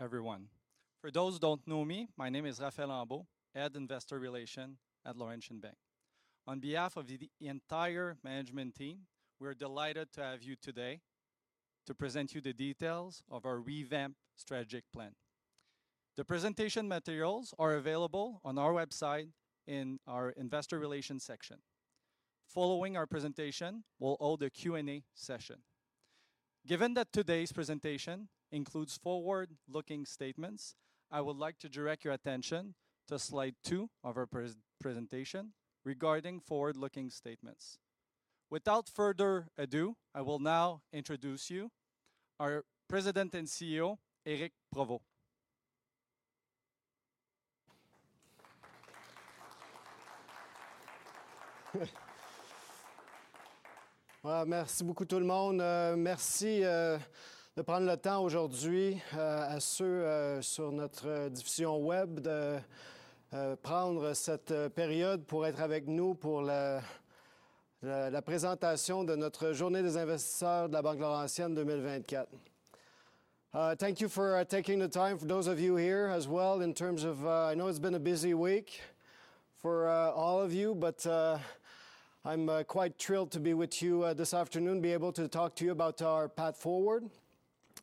Everyone. For those who don't know me, my name is Raphaël Ambeau, Head of Investor Relations at Laurentian Bank of Canada. On behalf of the entire management team, we're delighted to have you today to present you the details of our revamped strategic plan. The presentation materials are available on our website in our Investor Relations section. Following our presentation, we'll hold a Q&A session. Given that today's presentation includes forward-looking statements, I would like to direct your attention to slide 2 of our presentation regarding forward-looking statements. Without further ado, I will now introduce you our President and CEO, Éric Provost. Merci beaucoup, tout le monde. Merci de prendre le temps aujourd'hui à ceux sur notre diffusion web de prendre cette période pour être avec nous pour la présentation de notre journée des investisseurs de la Banque Laurentienne 2024. Thank you for taking the time for those of you here as well, in terms of... I know it's been a busy week for all of you, but I'm quite thrilled to be with you this afternoon, be able to talk to you about our path forward.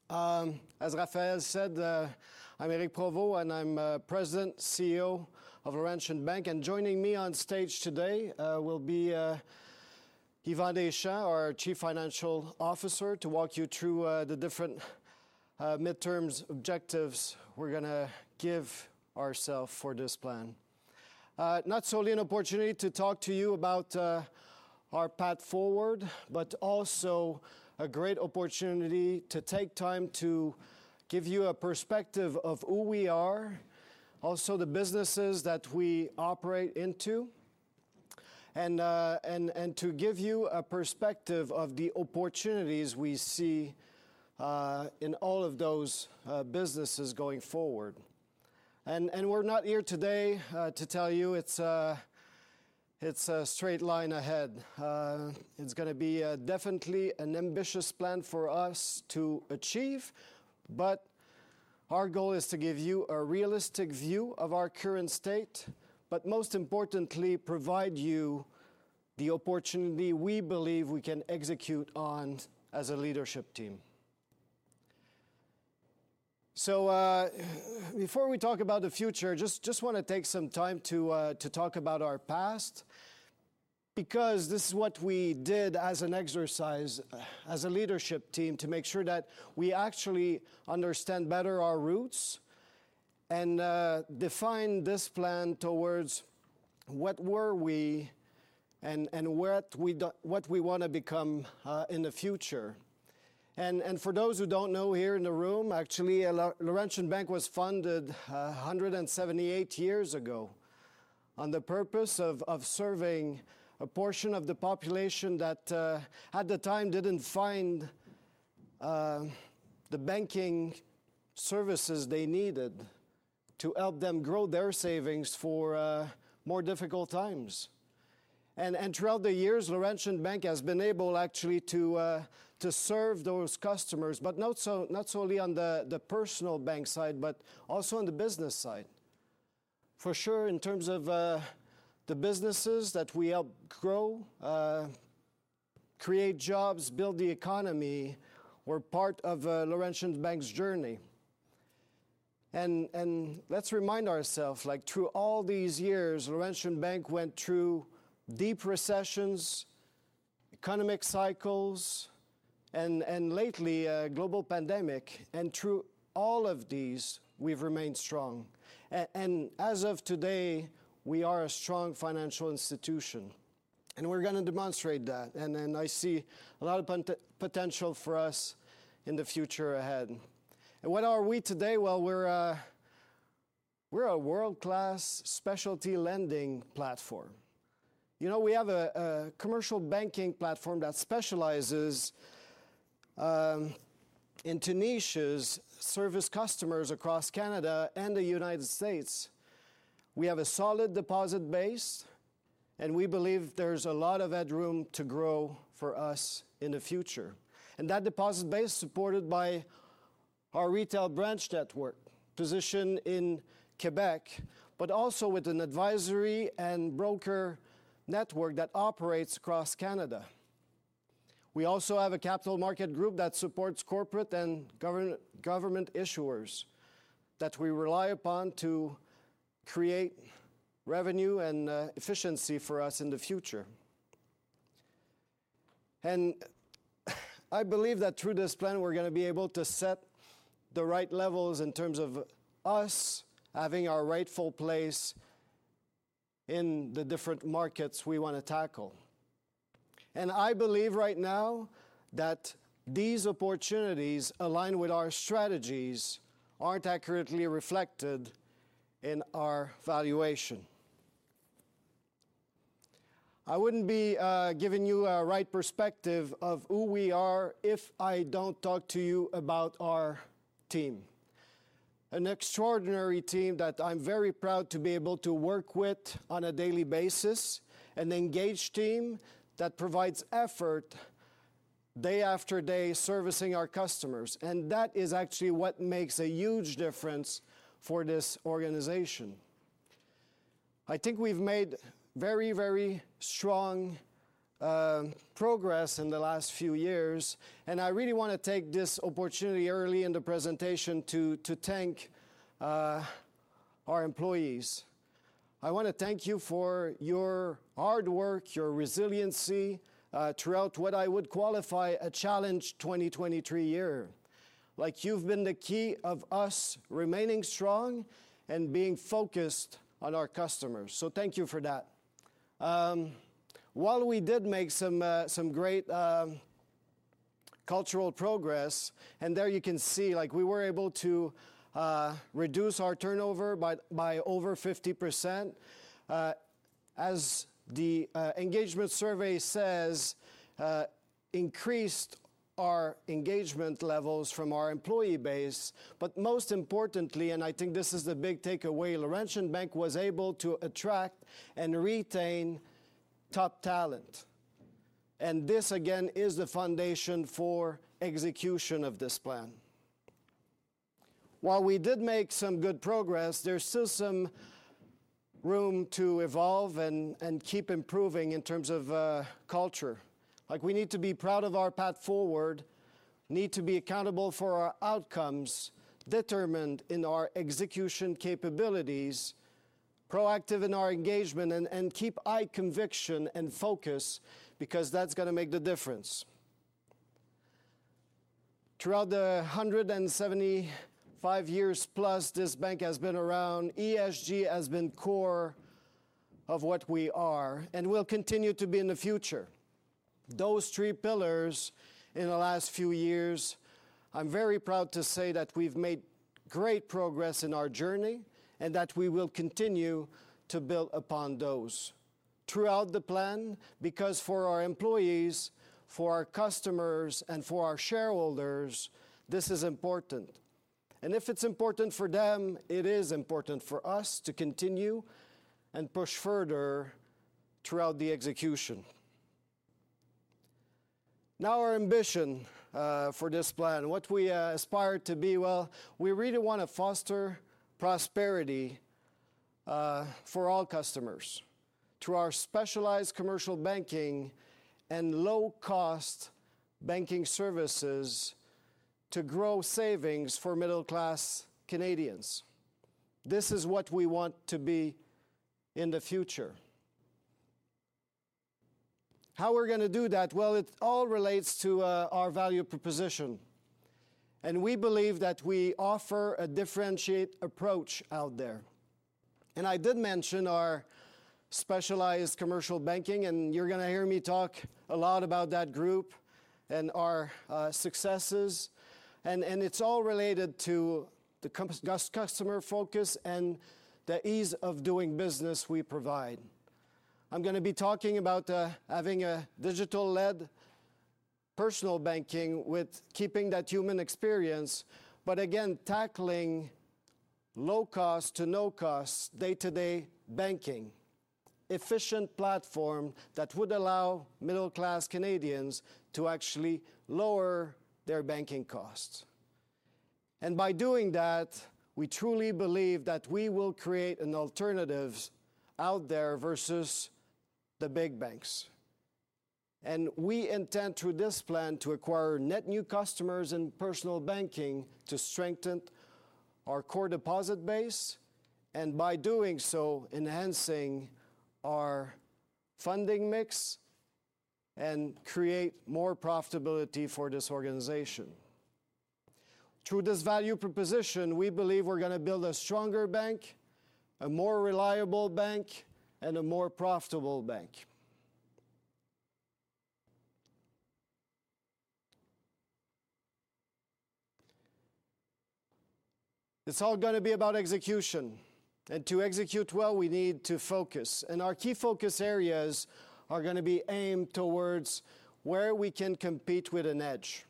As Raphaël said, I'm Éric Provost, and I'm President, CEO of Laurentian Bank, and joining me on stage today will be Yvan Deschamps, our Chief Financial Officer, to walk you through the different midterms objectives we're gonna give ourself for this plan. Not solely an opportunity to talk to you about our path forward, but also a great opportunity to take time to give you a perspective of who we are, also the businesses that we operate into, and to give you a perspective of the opportunities we see in all of those businesses going forward. And we're not here today to tell you it's a straight line ahead. It's gonna be definitely an ambitious plan for us to achieve, but our goal is to give you a realistic view of our current state, but most importantly, provide you the opportunity we believe we can execute on as a leadership team. So, before we talk about the future, just wanna take some time to talk about our past, because this is what we did as an exercise, as a leadership team, to make sure that we actually understand better our roots and define this plan towards what were we and what we do—what we wanna become in the future. And for those who don't know, here in the room, actually, Laurentian Bank was founded 178 years ago on the purpose of serving a portion of the population that at the time didn't find the banking services they needed to help them grow their savings for more difficult times. Throughout the years, Laurentian Bank has been able actually to to serve those customers, but not solely on the personal bank side, but also on the business side. For sure, in terms of the businesses that we help grow, create jobs, build the economy, we're part of Laurentian Bank's journey. Let's remind ourself, like, through all these years, Laurentian Bank went through deep recessions, economic cycles, and lately, a global pandemic, and through all of these, we've remained strong. And as of today, we are a strong financial institution, and we're gonna demonstrate that, and then I see a lot of potential for us in the future ahead. What are we today? Well, we're a world-class specialty lending platform. You know, we have a commercial banking platform that specializes into niches, service customers across Canada and the United States. We have a solid deposit base, and we believe there's a lot of headroom to grow for us in the future, and that deposit base is supported by our retail branch network position in Quebec, but also with an advisory and broker network that operates across Canada. We also have a capital market group that supports corporate and government issuers that we rely upon to create revenue and efficiency for us in the future. I believe that through this plan, we're gonna be able to set the right levels in terms of us having our rightful place in the different markets we wanna tackle. I believe right now that these opportunities align with our strategies aren't accurately reflected in our valuation. I wouldn't be giving you a right perspective of who we are if I don't talk to you about our team... an extraordinary team that I'm very proud to be able to work with on a daily basis, an engaged team that provides effort day after day, servicing our customers, and that is actually what makes a huge difference for this organization. I think we've made very, very strong progress in the last few years, and I really wanna take this opportunity early in the presentation to thank our employees. I wanna thank you for your hard work, your resiliency throughout what I would qualify a challenged 2023 year. Like, you've been the key of us remaining strong and being focused on our customers, so thank you for that. While we did make some some great cultural progress, and there you can see, like, we were able to reduce our turnover by over 50%. As the engagement survey says, increased our engagement levels from our employee base, but most importantly, and I think this is the big takeaway, Laurentian Bank was able to attract and retain top talent, and this, again, is the foundation for execution of this plan. While we did make some good progress, there's still some room to evolve and keep improving in terms of culture. Like, we need to be proud of our path forward, need to be accountable for our outcomes, determined in our execution capabilities, proactive in our engagement, and keep eye conviction and focus because that's gonna make the difference. Throughout the 175 years plus this bank has been around, ESG has been core of what we are and will continue to be in the future. Those 3 pillars in the last few years, I'm very proud to say that we've made great progress in our journey, and that we will continue to build upon those throughout the plan, because for our employees, for our customers, and for our shareholders, this is important. And if it's important for them, it is important for us to continue and push further throughout the execution. Now, our ambition, for this plan, what we, aspire to be, well, we really wanna foster prosperity, for all customers through our specialized commercial banking and low-cost banking services to grow savings for middle-class Canadians. This is what we want to be in the future. How we're gonna do that? Well, it all relates to our value proposition, and we believe that we offer a differentiated approach out there. I did mention our specialized commercial banking, and you're gonna hear me talk a lot about that group and our successes, and it's all related to the customer focus and the ease of doing business we provide. I'm gonna be talking about having a digital-led personal banking with keeping that human experience, but again, tackling low cost to no cost day-to-day banking, efficient platform that would allow middle-class Canadians to actually lower their banking costs. By doing that, we truly believe that we will create an alternative out there versus the big banks. We intend, through this plan, to acquire net new customers in personal banking to strengthen our core deposit base, and by doing so, enhancing our funding mix and create more profitability for this organization. Through this value proposition, we believe we're gonna build a stronger bank, a more reliable bank, and a more profitable bank. It's all gonna be about execution, and to execute well, we need to focus, and our key focus areas are gonna be aimed towards where we can compete with an edge,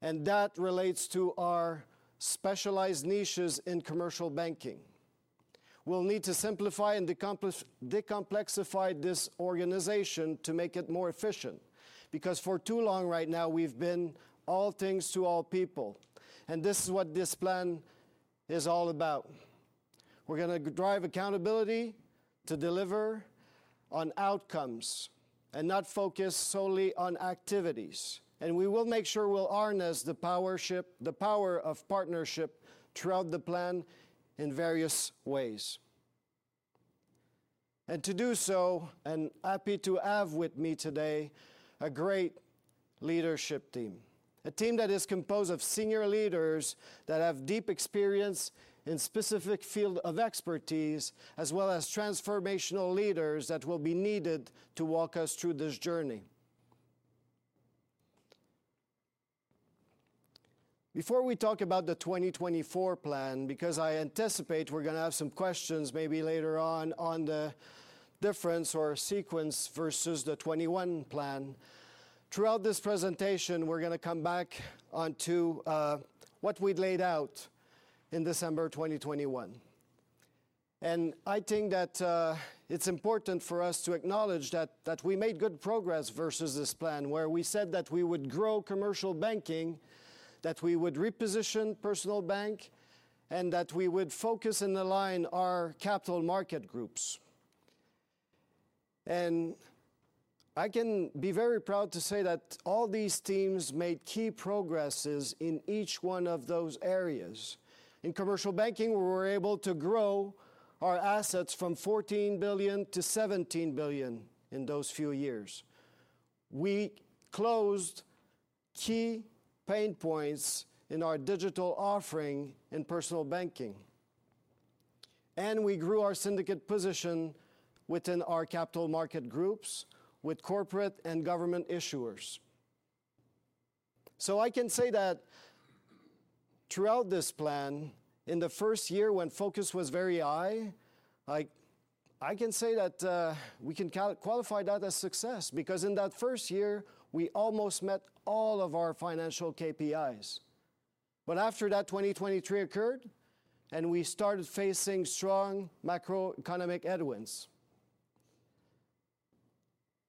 and that relates to our specialized niches in commercial banking. We'll need to simplify and decomplexify this organization to make it more efficient, because for too long, right now, we've been all things to all people, and this is what this plan is all about. We're gonna drive accountability to deliver on outcomes and not focus solely on activities, and we will make sure we'll harness the power of partnership throughout the plan in various ways. To do so, I'm happy to have with me today a great leadership team, a team that is composed of senior leaders that have deep experience in specific field of expertise, as well as transformational leaders that will be needed to walk us through this journey. Before we talk about the 2024 plan, because I anticipate we're gonna have some questions maybe later on, on the difference or sequence versus the 2021 plan, throughout this presentation, we're gonna come back onto what we'd laid out in December 2021. I think that it's important for us to acknowledge that we made good progress versus this plan, where we said that we would grow commercial banking, that we would reposition personal bank, and that we would focus and align our capital market groups. I can be very proud to say that all these teams made key progresses in each one of those areas. In commercial banking, we were able to grow our assets from $14 billion to $17 billion in those few years. We closed key pain points in our digital offering in personal banking, and we grew our syndicate position within our capital market groups with corporate and government issuers. So I can say that throughout this plan, in the first year, when focus was very high, I can say that we can qualify that as success, because in that first year, we almost met all of our financial KPIs. But after that, 2023 occurred, and we started facing strong macroeconomic headwinds.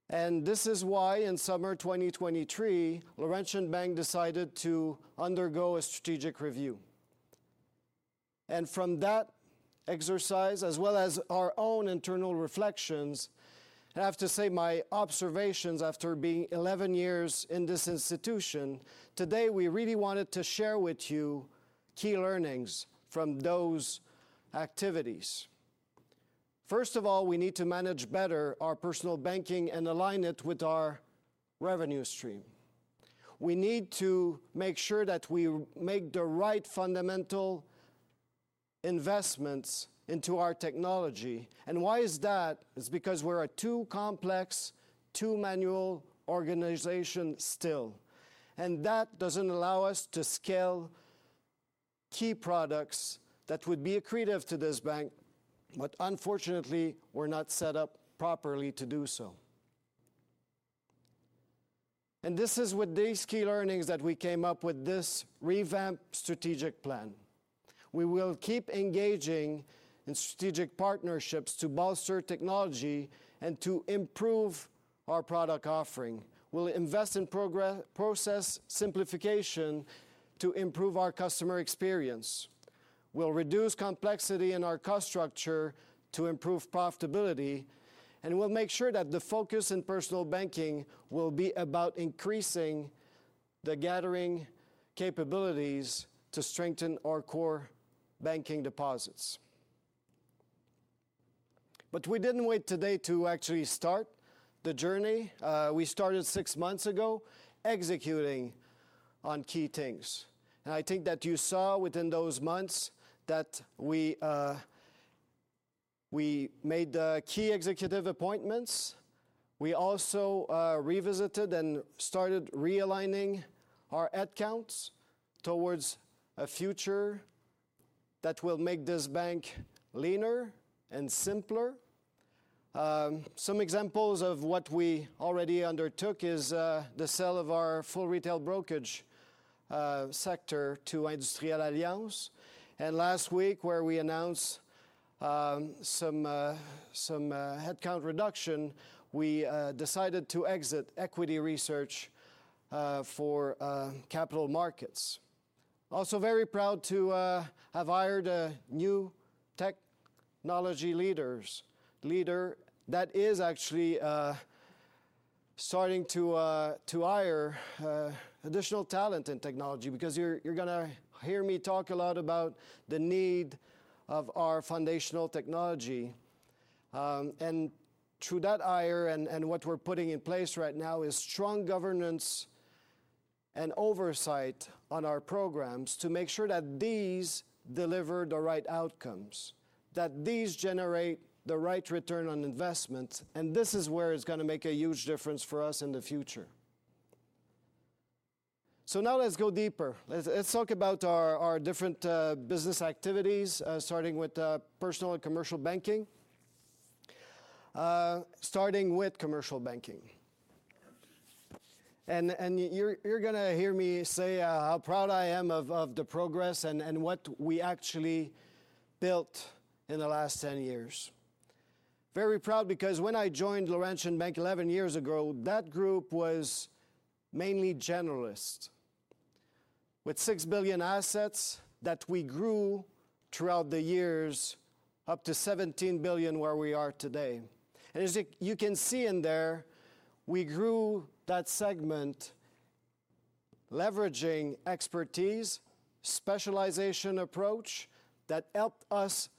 And this is why, in summer 2023, Laurentian Bank decided to undergo a strategic review. And from that exercise, as well as our own internal reflections, and I have to say, my observations after being 11 years in this institution, today, we really wanted to share with you key learnings from those activities. First of all, we need to manage better our personal banking and align it with our revenue stream. We need to make sure that we make the right fundamental investments into our technology. And why is that? It's because we're a too complex, too manual organization still, and that doesn't allow us to scale key products that would be accretive to this bank, but unfortunately, we're not set up properly to do so. This is with these key learnings that we came up with this revamped strategic plan. We will keep engaging in strategic partnerships to bolster technology and to improve our product offering. We'll invest in process simplification to improve our customer experience. We'll reduce complexity in our cost structure to improve profitability, and we'll make sure that the focus in personal banking will be about increasing the gathering capabilities to strengthen our core banking deposits. But we didn't wait today to actually start the journey. We started 6 months ago, executing on key things. I think that you saw within those months that we made key executive appointments. We also revisited and started realigning our headcounts towards a future that will make this bank leaner and simpler. Some examples of what we already undertook is the sale of our full retail brokerage sector to Industrielle Alliance. And last week, where we announced some headcount reduction, we decided to exit equity research for capital markets. Also very proud to have hired a new technology leader that is actually starting to hire additional talent in technology, because you're gonna hear me talk a lot about the need of our foundational technology. And through that hire, and what we're putting in place right now, is strong governance and oversight on our programs to make sure that these deliver the right outcomes, that these generate the right return on investment, and this is where it's gonna make a huge difference for us in the future. So now let's go deeper. Let's talk about our different business activities, starting with personal and commercial banking. Starting with commercial banking. And you're gonna hear me say how proud I am of the progress and what we actually built in the last 10 years. Very proud because when I joined Laurentian Bank 11 years ago, that group was mainly generalist, with $6 billion assets that we grew throughout the years, up to $17 billion, where we are today. As you, you can see in there, we grew that segment, leveraging expertise, specialization approach, that helped us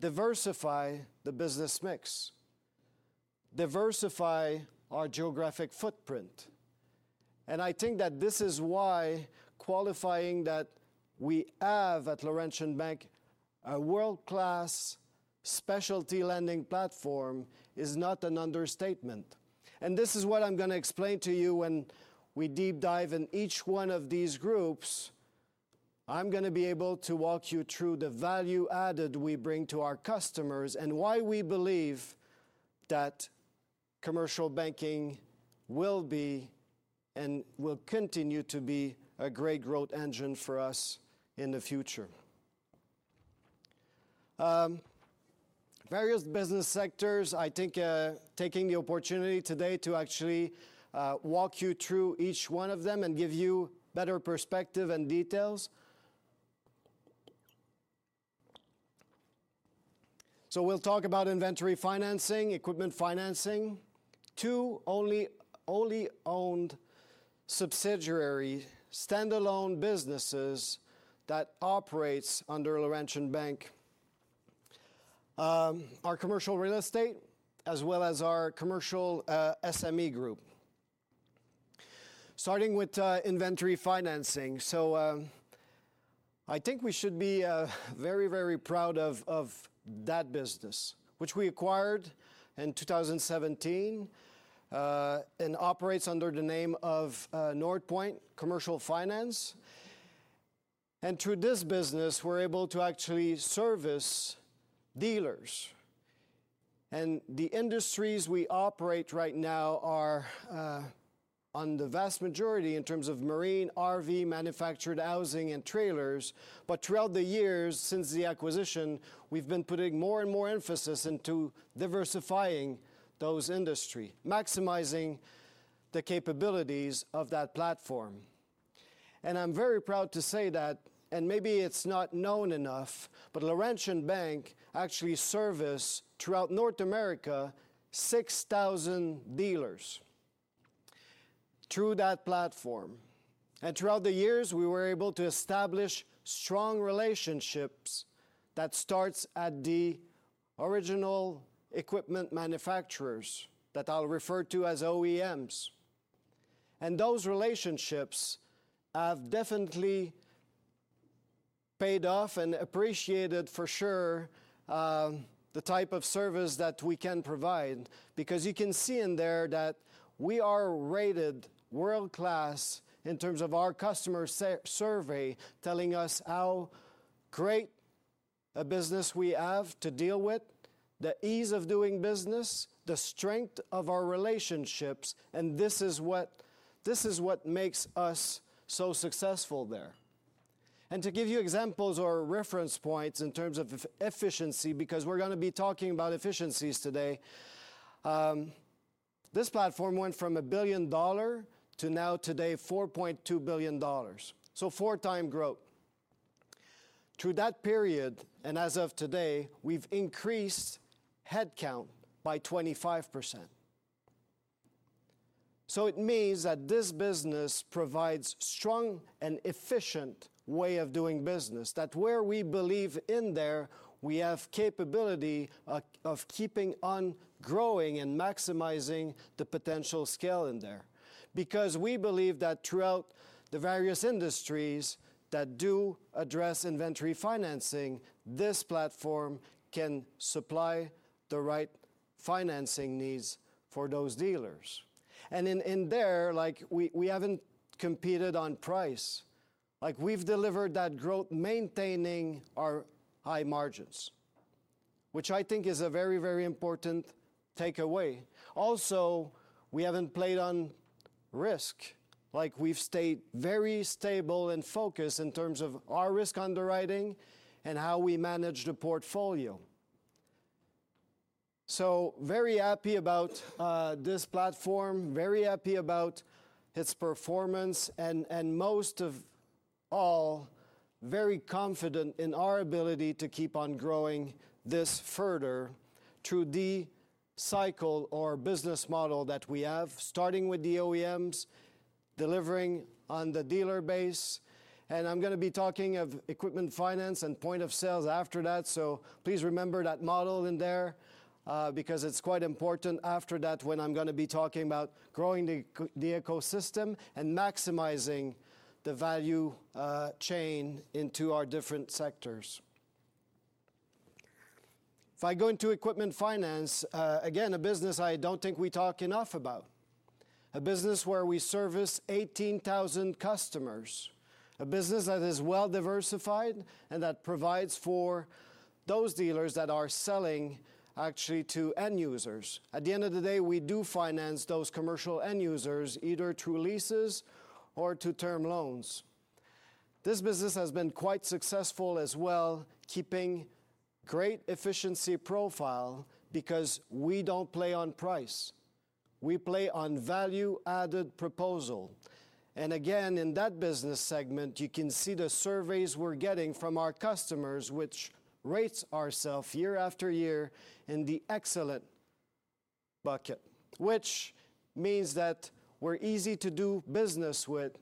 diversify the business mix, diversify our geographic footprint. I think that this is why qualifying that we have, at Laurentian Bank, a world-class specialty lending platform, is not an understatement. This is what I'm gonna be able to explain to you when we deep dive in each one of these groups. I'm gonna be able to walk you through the value added we bring to our customers, and why we believe that commercial banking will be, and will continue to be, a great growth engine for us in the future. Various business sectors, I think, taking the opportunity today to actually walk you through each one of them and give you better perspective and details. So we'll talk about inventory financing, equipment financing, two wholly owned subsidiary standalone businesses that operates under Laurentian Bank. Our commercial real estate, as well as our commercial SME group. Starting with inventory financing, I think we should be very, very proud of that business, which we acquired in 2017, and operates under the name of Northpoint Commercial Finance. And through this business, we're able to actually service dealers, and the industries we operate right now are on the vast majority in terms of marine, RV, manufactured housing, and trailers. But throughout the years since the acquisition, we've been putting more and more emphasis into diversifying those industry, maximizing the capabilities of that platform. I'm very proud to say that, and maybe it's not known enough, but Laurentian Bank actually service throughout North America, 6,000 dealers through that platform. And throughout the years, we were able to establish strong relationships that starts at the original equipment manufacturers, that I'll refer to as OEMs. And those relationships have definitely paid off and appreciated, for sure, the type of service that we can provide, because you can see in there that we are rated world-class in terms of our customer service survey, telling us how great a business we have to deal with, the ease of doing business, the strength of our relationships, and this is what, this is what makes us so successful there. To give you examples or reference points in terms of efficiency, because we're gonna be talking about efficiencies today, this platform went from $1 billion to $4.2 billion today, so 4 time growth. Through that period, and as of today, we've increased headcount by 25%. So it means that this business provides strong and efficient way of doing business, that where we believe in there, we have capability of keeping on growing and maximizing the potential scale in there. Because we believe that throughout the various industries that do address inventory financing, this platform can supply the right financing needs for those dealers. And in there, like, we haven't competed on price. Like, we've delivered that growth, maintaining our high margins, which I think is a very, very important takeaway. Also, we haven't played on risk. Like, we've stayed very stable and focused in terms of our risk underwriting and how we manage the portfolio. So very happy about this platform, very happy about its performance, and most of all, very confident in our ability to keep on growing this further through the cycle or business model that we have, starting with the OEMs, delivering on the dealer base. And I'm gonna be talking of equipment finance and point of sales after that, so please remember that model in there, because it's quite important after that, when I'm gonna be talking about growing the ecosystem and maximizing the value chain into our different sectors. If I go into equipment finance, again, a business I don't think we talk enough about. A business where we service 18,000 customers. A business that is well-diversified, and that provides for those dealers that are selling actually to end users. At the end of the day, we do finance those commercial end users, either through leases or through term loans. This business has been quite successful as well, keeping great efficiency profile, because we don't play on price, we play on value-added proposal. And again, in that business segment, you can see the surveys we're getting from our customers, which rates ourselves year after year in the excellent bucket, which means that we're easy to do business with,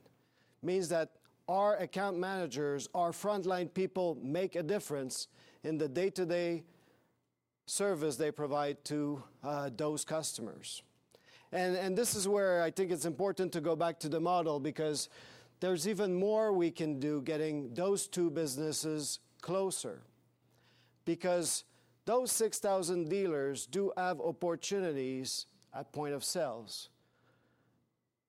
means that our account managers, our frontline people, make a difference in the day-to-day service they provide to, those customers. And this is where I think it's important to go back to the model, because there's even more we can do getting those 2 businesses closer. Because those 6,000 dealers do have opportunities at point of sales,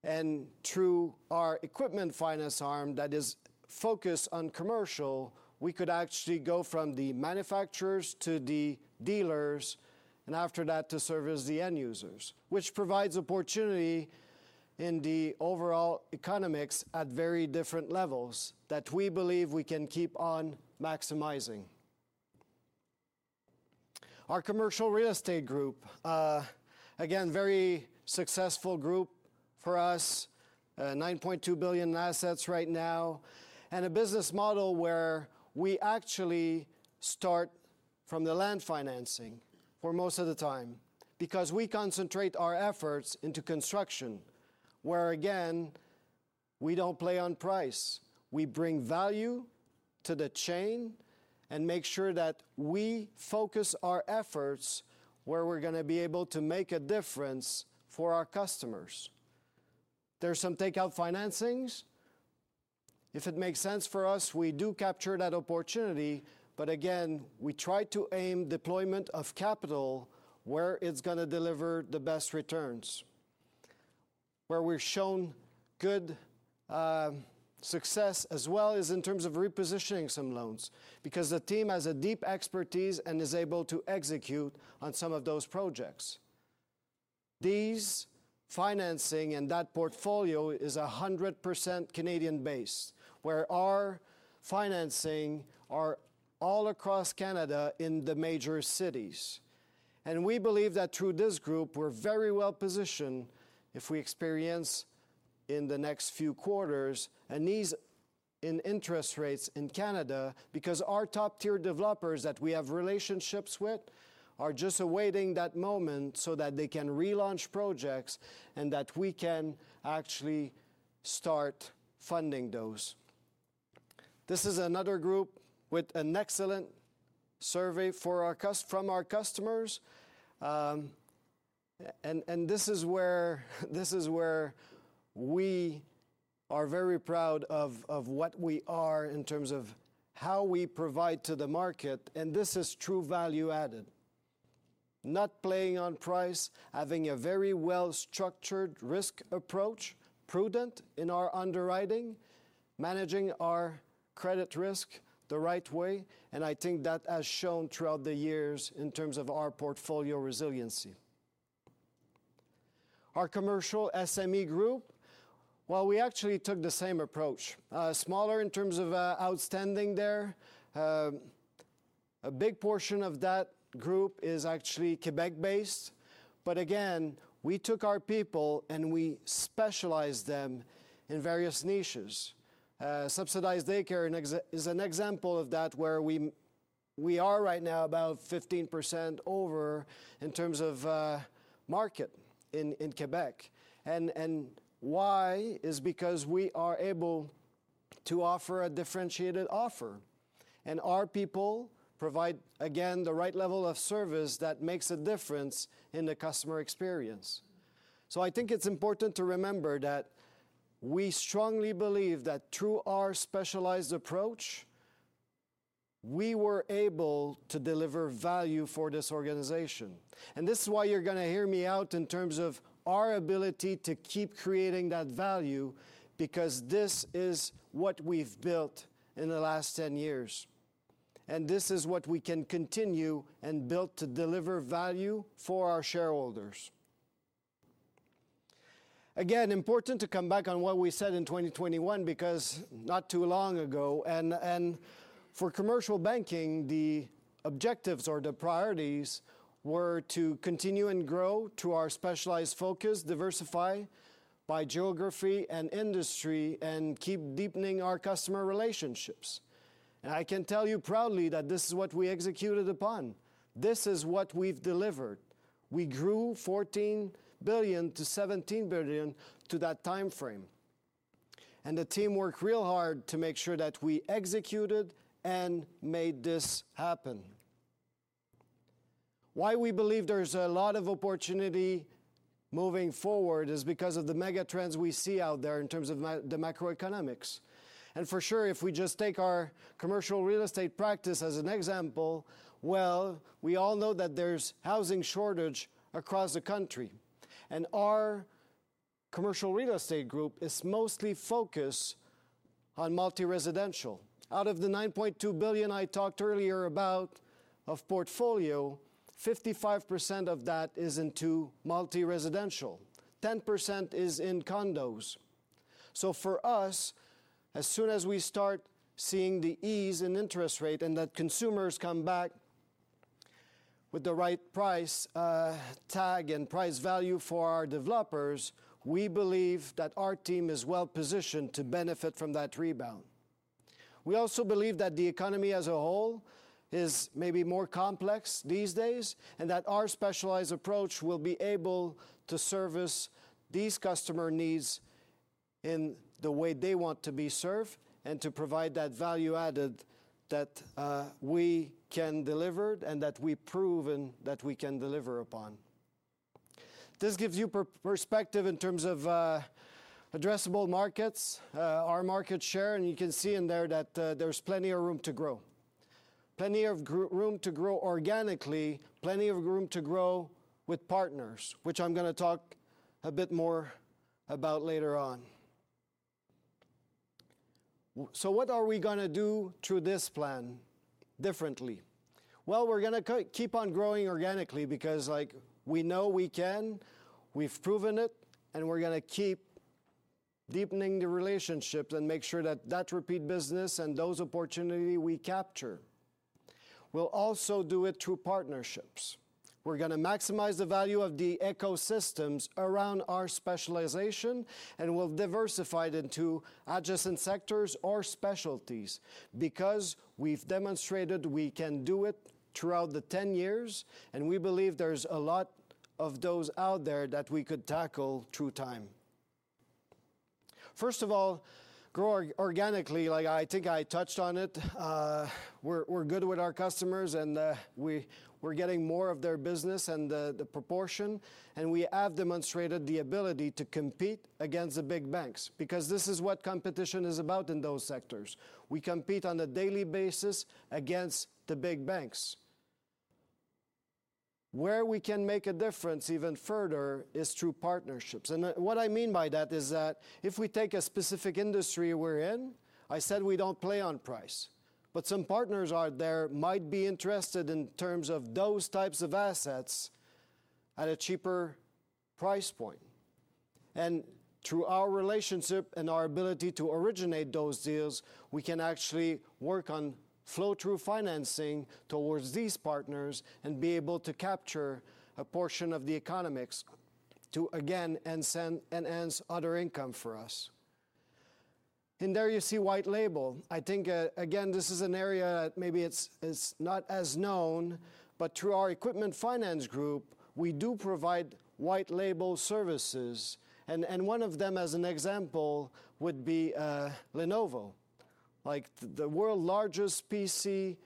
and through our equipment finance arm that is focused on commercial, we could actually go from the manufacturers to the dealers, and after that, to service the end users, which provides opportunity in the overall economics at very different levels that we believe we can keep on maximizing. Our commercial real estate group, again, very successful group for us, $9.2 billion in assets right now, and a business model where we actually start from the land financing for most of the time, because we concentrate our efforts into construction, where, again, we don't play on price. We bring value to the chain and make sure that we focus our efforts where we're gonna be able to make a difference for our customers. There's some takeout financings. If it makes sense for us, we do capture that opportunity, but again, we try to aim deployment of capital where it's gonna deliver the best returns. Where we've shown good success, as well, is in terms of repositioning some loans, because the team has a deep expertise and is able to execute on some of those projects. These financing and that portfolio is 100% Canadian-based, where our financing are all across Canada in the major cities. We believe that through this group, we're very well-positioned if we experience in the next few quarters a niche in interest rates in Canada, because our top-tier developers that we have relationships with are just awaiting that moment so that they can relaunch projects and that we can actually start funding those. This is another group with an excellent survey from our customers. This is where we are very proud of what we are in terms of how we provide to the market, and this is true value added. Not playing on price, having a very well-structured risk approach, prudent in our underwriting, managing our credit risk the right way, and I think that has shown throughout the years in terms of our portfolio resiliency. Our commercial SME group, well, we actually took the same approach. Smaller in terms of outstanding there. A big portion of that group is actually Quebec-based, but again, we took our people, and we specialized them in various niches. Subsidized daycare is an example of that, where we are right now about 15% over in terms of market in Quebec. And why is because we are able to offer a differentiated offer, and our people provide, again, the right level of service that makes a difference in the customer experience. So I think it's important to remember that we strongly believe that through our specialized approach, we were able to deliver value for this organization, and this is why you're gonna hear me out in terms of our ability to keep creating that value because this is what we've built in the last 10 years, and this is what we can continue and build to deliver value for our shareholders. Again, important to come back on what we said in 2021, because not too long ago, and for commercial banking, the objectives or the priorities were to continue and grow to our specialized focus, diversify by geography and industry, and keep deepening our customer relationships. I can tell you proudly that this is what we executed upon. This is what we've delivered. We grew $14 billion to $17 billion in that time frame, and the team worked real hard to make sure that we executed and made this happen. Why we believe there's a lot of opportunity moving forward is because of the mega trends we see out there in terms of the macroeconomics. For sure, if we just take our commercial real estate practice as an example, well, we all know that there's housing shortage across the country, and our commercial real estate group is mostly focused on multi-residential. Out of the $9.2 billion I talked earlier about of portfolio, 55% of that is into multi-residential. 10% is in condos. So for us, as soon as we start seeing the ease in interest rate and that consumers come back with the right price, tag and price value for our developers, we believe that our team is well-positioned to benefit from that rebound. We also believe that the economy as a whole is maybe more complex these days, and that our specialized approach will be able to service these customer needs in the way they want to be served and to provide that value added that, we can deliver and that we've proven that we can deliver upon. This gives you perspective in terms of, addressable markets, our market share, and you can see in there that, there's plenty of room to grow.... plenty of room to grow organically, plenty of room to grow with partners, which I'm gonna talk a bit more about later on. So what are we gonna do through this plan differently? Well, we're gonna keep on growing organically because, like, we know we can, we've proven it, and we're gonna keep deepening the relationships and make sure that that repeat business and those opportunity we capture. We'll also do it through partnerships. We're gonna maximize the value of the ecosystems around our specialization, and we'll diversify it into adjacent sectors or specialties because we've demonstrated we can do it throughout the 10 years, and we believe there's a lot of those out there that we could tackle through time. First of all, grow organically, like I think I touched on it. We're good with our customers, and we're getting more of their business and the proportion, and we have demonstrated the ability to compete against the big banks. Because this is what competition is about in those sectors. We compete on a daily basis against the big banks. Where we can make a difference even further is through partnerships, and what I mean by that is that if we take a specific industry we're in, I said we don't play on price, but some partners out there might be interested in terms of those types of assets at a cheaper price point. And through our relationship and our ability to originate those deals, we can actually work on flow-through financing towards these partners and be able to capture a portion of the economics to, again, enhance other income for us. And there you see white label. I think, again, this is an area that maybe it is not as known, but through our equipment finance group, we do provide white label services, and one of them, as an example, would be Lenovo Group Limited, like, the world's largest PC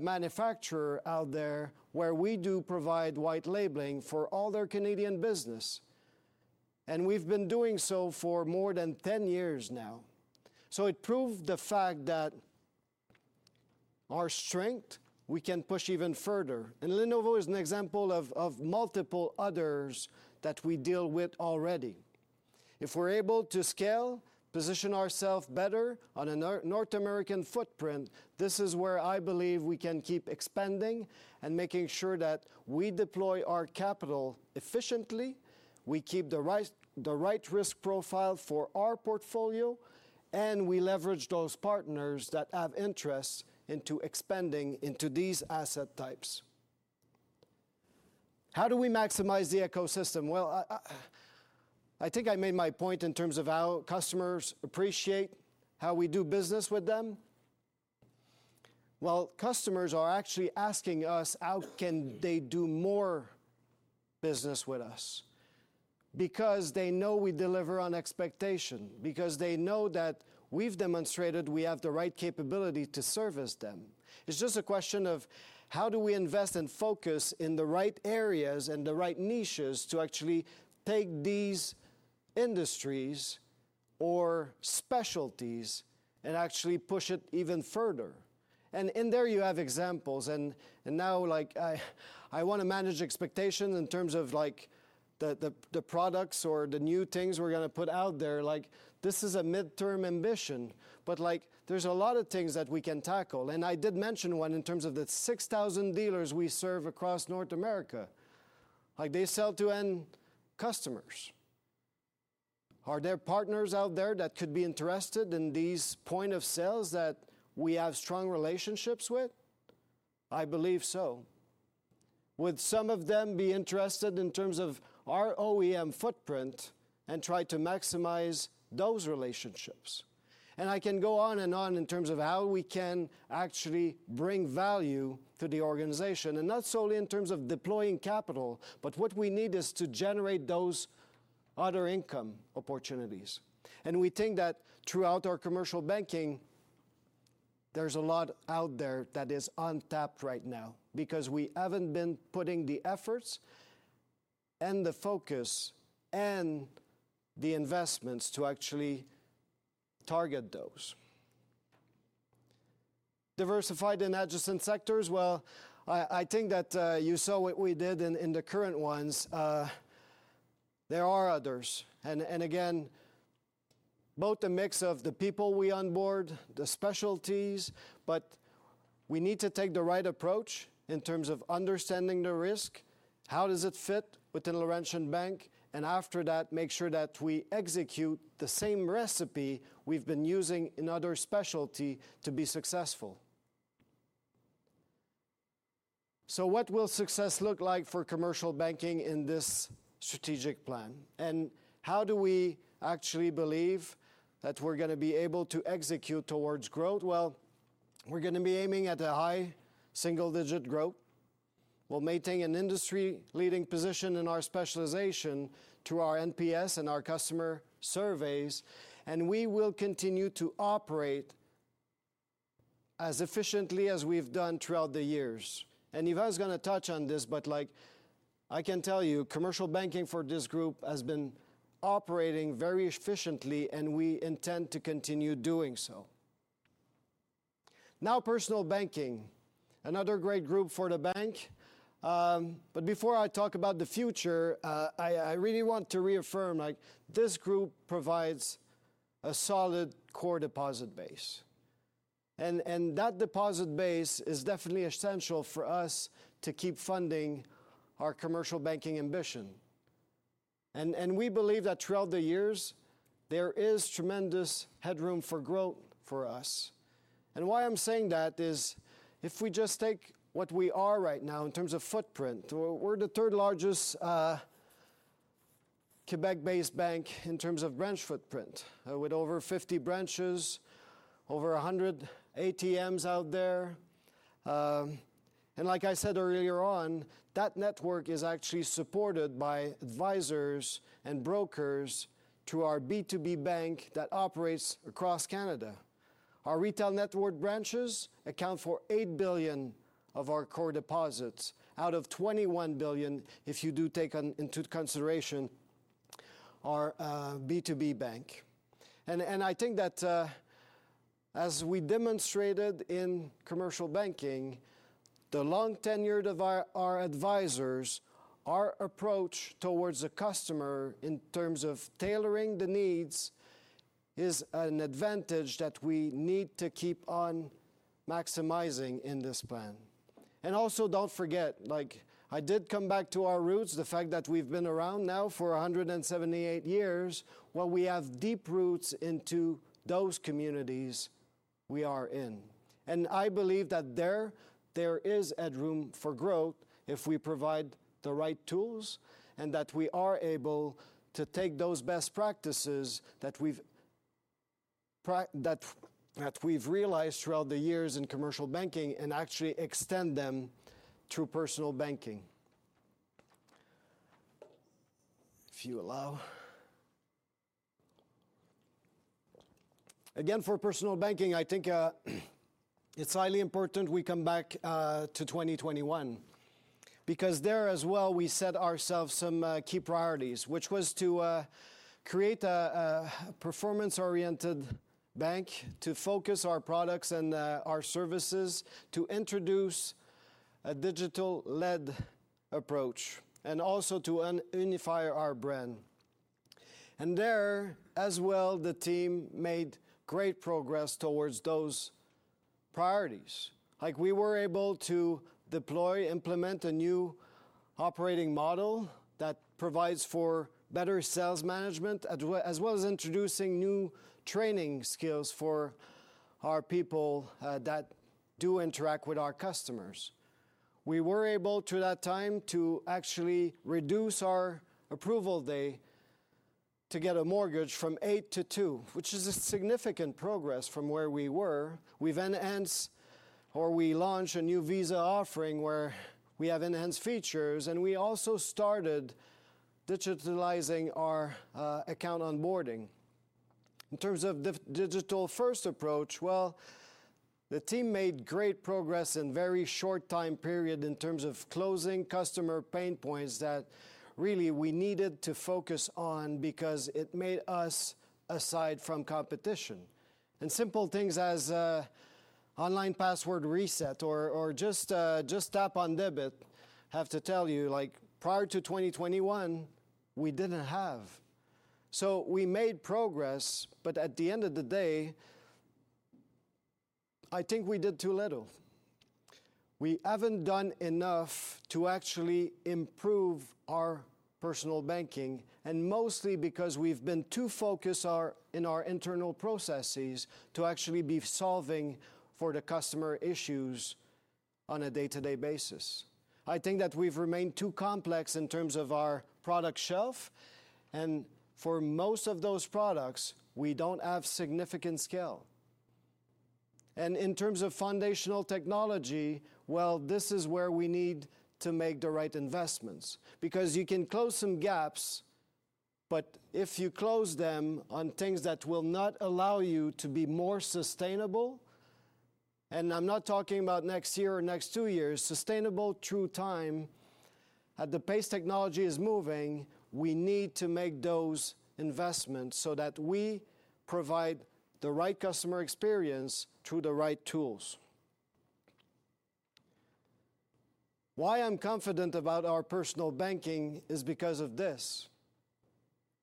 manufacturer out there, where we do provide white labeling for all their Canadian business, and we've been doing so for more than 10 years now. So it proved the fact that our strength, we can push even further, and Lenovo Group Limited is an example of multiple others that we deal with already. If we're able to scale, position ourself better on a North American footprint, this is where I believe we can keep expanding and making sure that we deploy our capital efficiently, we keep the right, the right risk profile for our portfolio, and we leverage those partners that have interest into expanding into these asset types. How do we maximize the ecosystem? Well, I think I made my point in terms of how customers appreciate how we do business with them. Well, customers are actually asking us how can they do more business with us. Because they know we deliver on expectation, because they know that we've demonstrated we have the right capability to service them. It's just a question of how do we invest and focus in the right areas and the right niches to actually take these industries or specialties and actually push it even further? And in there, you have examples, and now, like, I wanna manage expectations in terms of like the products or the new things we're gonna put out there. Like, this is a midterm ambition, but like there's a lot of things that we can tackle, and I did mention one in terms of the 6,000 dealers we serve across North America. Like, they sell to end customers. Are there partners out there that could be interested in these points of sale that we have strong relationships with? I believe so. Would some of them be interested in terms of our OEM footprint and try to maximize those relationships? And I can go on and on in terms of how we can actually bring value to the organization, and not solely in terms of deploying capital, but what we need is to generate those other income opportunities. And we think that throughout our commercial banking, there's a lot out there that is untapped right now because we haven't been putting the efforts, and the focus, and the investments to actually target those. Diversified in adjacent sectors? Well, I think that you saw what we did in the current ones. There are others, and again, both the mix of the people we onboard, the specialties, but we need to take the right approach in terms of understanding the risk, how does it fit within Laurentian Bank, and after that, make sure that we execute the same recipe we've been using in other specialty to be successful. So what will success look like for commercial banking in this strategic plan, and how do we actually believe that we're gonna be able to execute towards growth? Well, we're gonna be aiming at a high, single-digit growth. We'll maintain an industry-leading position in our specialization through our NPS and our customer surveys, and we will continue to operate as efficiently as we've done throughout the years. And Yvan's gonna touch on this, but, like-... I can tell you, commercial banking for this group has been operating very efficiently, and we intend to continue doing so. Now, personal banking, another great group for the bank. But before I talk about the future, I really want to reaffirm, like, this group provides a solid core deposit base, and, and that deposit base is definitely essential for us to keep funding our commercial banking ambition. And, and we believe that throughout the years, there is tremendous headroom for growth for us. And why I'm saying that is, if we just take what we are right now in terms of footprint, we're the third largest, Quebec-based bank in terms of branch footprint, with over 50 branches, over 100 ATMs out there. And like I said earlier on, that network is actually supported by advisors and brokers through our B2B Bank that operates across Canada. Our retail network branches account for $8 billion of our core deposits, out of $21 billion, if you do take into consideration our B2B Bank. And I think that, as we demonstrated in commercial banking, the long tenure of our advisors, our approach towards the customer in terms of tailoring the needs, is an advantage that we need to keep on maximizing in this plan. And also, don't forget, like, I did come back to our roots, the fact that we've been around now for 178 years, well, we have deep roots into those communities we are in. I believe that there is headroom for growth if we provide the right tools, and that we are able to take those best practices that we've realized throughout the years in commercial banking and actually extend them through personal banking. If you allow... Again, for personal banking, I think it's highly important we come back to 2021. Because there as well, we set ourselves some key priorities, which was to create a performance-oriented bank, to focus our products and our services, to introduce a digital-led approach, and also to unify our brand. And there, as well, the team made great progress towards those priorities. Like, we were able to deploy, implement a new operating model that provides for better sales management, as well, as well as introducing new training skills for our people, that do interact with our customers. We were able, through that time, to actually reduce our approval day to get a mortgage from 8 to 2, which is a significant progress from where we were. We've enhanced or we launched a new Visa offering where we have enhanced features, and we also started digitalizing our, account onboarding. In terms of the digital-first approach, well, the team made great progress in very short time period in terms of closing customer pain points that really we needed to focus on because it made us aside from competition. And simple things as online password reset or just tap on debit, I have to tell you, like, prior to 2021, we didn't have. So we made progress, but at the end of the day, I think we did too little. We haven't done enough to actually improve our personal banking, and mostly because we've been too focused on our internal processes to actually be solving for the customer issues on a day-to-day basis. I think that we've remained too complex in terms of our product shelf, and for most of those products, we don't have significant scale. And in terms of foundational technology, well, this is where we need to make the right investments. Because you can close some gaps, but if you close them on things that will not allow you to be more sustainable, and I'm not talking about next year or next 2 years, sustainable through time, at the pace technology is moving, we need to make those investments so that we provide the right customer experience through the right tools. Why I'm confident about our personal banking is because of this: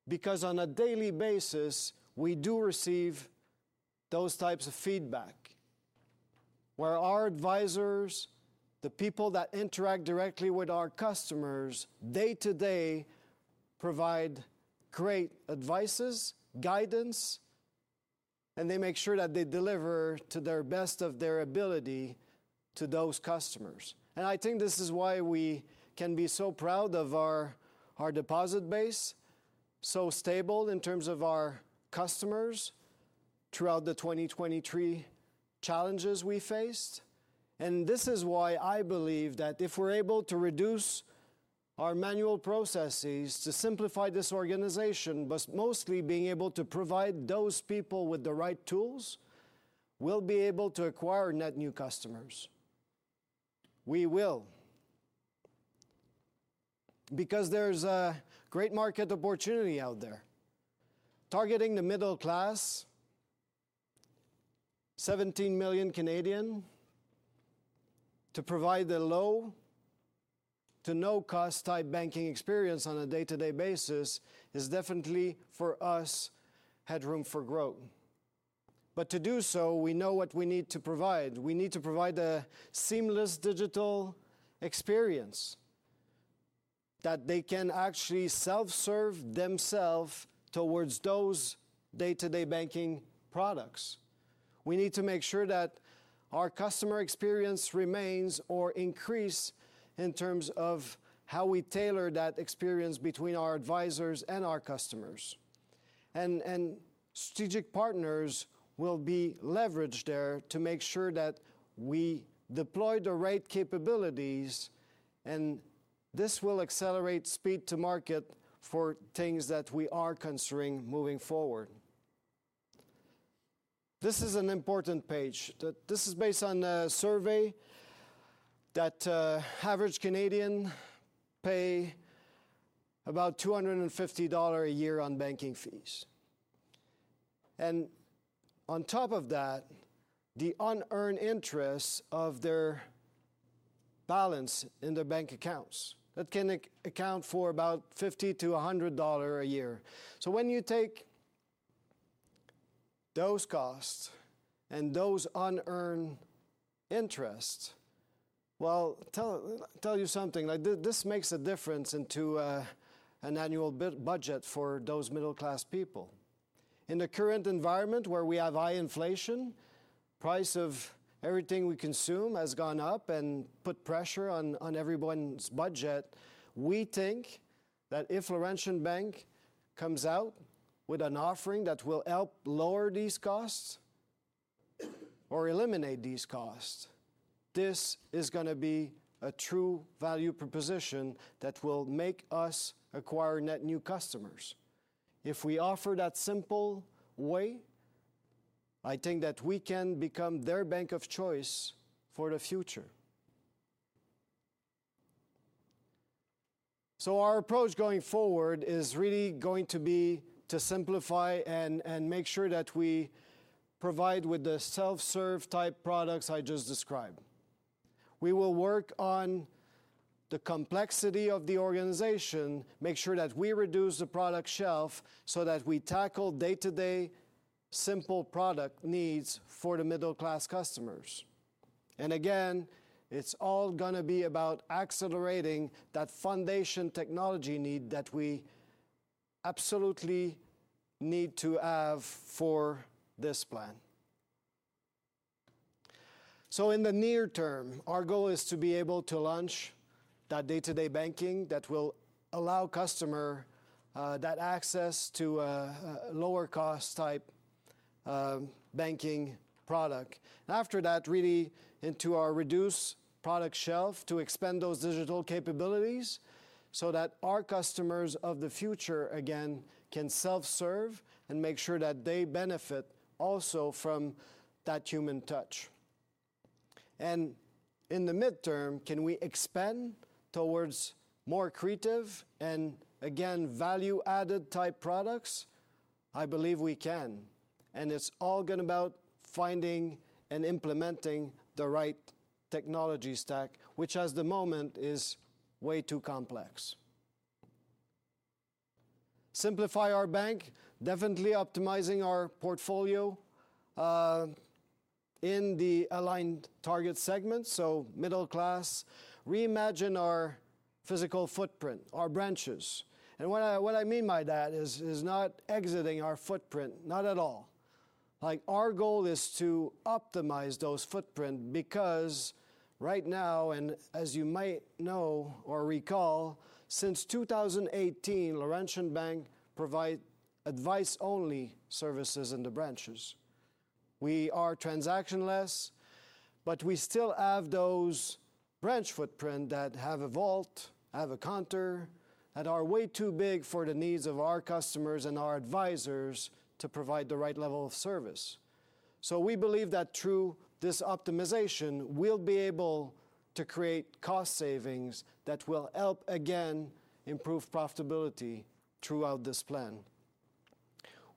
because on a daily basis, we do receive those types of feedback, where our advisors, the people that interact directly with our customers day-to-day, provide great advice, guidance, and they make sure that they deliver to the best of their ability to those customers. And I think this is why we can be so proud of our, our deposit base, so stable in terms of our customers throughout the 2023 challenges we faced. This is why I believe that if we're able to reduce our manual processes, to simplify this organization, but mostly being able to provide those people with the right tools, we'll be able to acquire net new customers. We will, because there's a great market opportunity out there. Targeting the middle class, 17 million Canadian, to provide the low to no-cost type banking experience on a day-to-day basis is definitely, for us, headroom for growth. But to do so, we know what we need to provide. We need to provide a seamless digital experience, that they can actually self-serve themselves towards those day-to-day banking products. We need to make sure that our customer experience remains or increase in terms of how we tailor that experience between our advisors and our customers. Strategic partners will be leveraged there to make sure that we deploy the right capabilities, and this will accelerate speed to market for things that we are considering moving forward. This is an important page. This is based on a survey that average Canadian pay about $250 dollar a year on banking fees. And on top of that, the unearned interest of their balance in their bank accounts, that can account for about $50-$100 dollar a year. So when you take those costs and those unearned interests, well, tell you something, like, this makes a difference into an annual budget for those middle-class people. In the current environment, where we have high inflation, price of everything we consume has gone up and put pressure on everyone's budget. We think that if Laurentian Bank comes out with an offering that will help lower these costs or eliminate these costs, this is gonna be a true value proposition that will make us acquire net new customers. If we offer that simple way, I think that we can become their bank of choice for the future. So our approach going forward is really going to be to simplify and make sure that we provide with the self-serve type products I just described. We will work on the complexity of the organization, make sure that we reduce the product shelf so that we tackle day-to-day simple product needs for the middle-class customers. Again, it's all gonna be about accelerating that foundation technology need that we absolutely need to have for this plan. So in the near term, our goal is to be able to launch that day-to-day banking that will allow customer that access to a lower-cost type banking product. After that, really into our reduced product shelf, to expand those digital capabilities so that our customers of the future, again, can self-serve and make sure that they benefit also from that human touch. And in the midterm, can we expand towards more creative and, again, value-added type products? I believe we can, and it's all going about finding and implementing the right technology stack, which at the moment is way too complex. Simplify our bank, definitely optimizing our portfolio in the aligned target segments, so middle class. Reimagine our physical footprint, our branches. And what I mean by that is not exiting our footprint, not at all. Like, our goal is to optimize those footprint because right now, and as you might know or recall, since 2018, Laurentian Bank provide advice-only services in the branches. We are transactionless, but we still have those branch footprint that have a vault, have a counter, that are way too big for the needs of our customers and our advisors to provide the right level of service. So we believe that through this optimization, we'll be able to create cost savings that will help, again, improve profitability throughout this plan.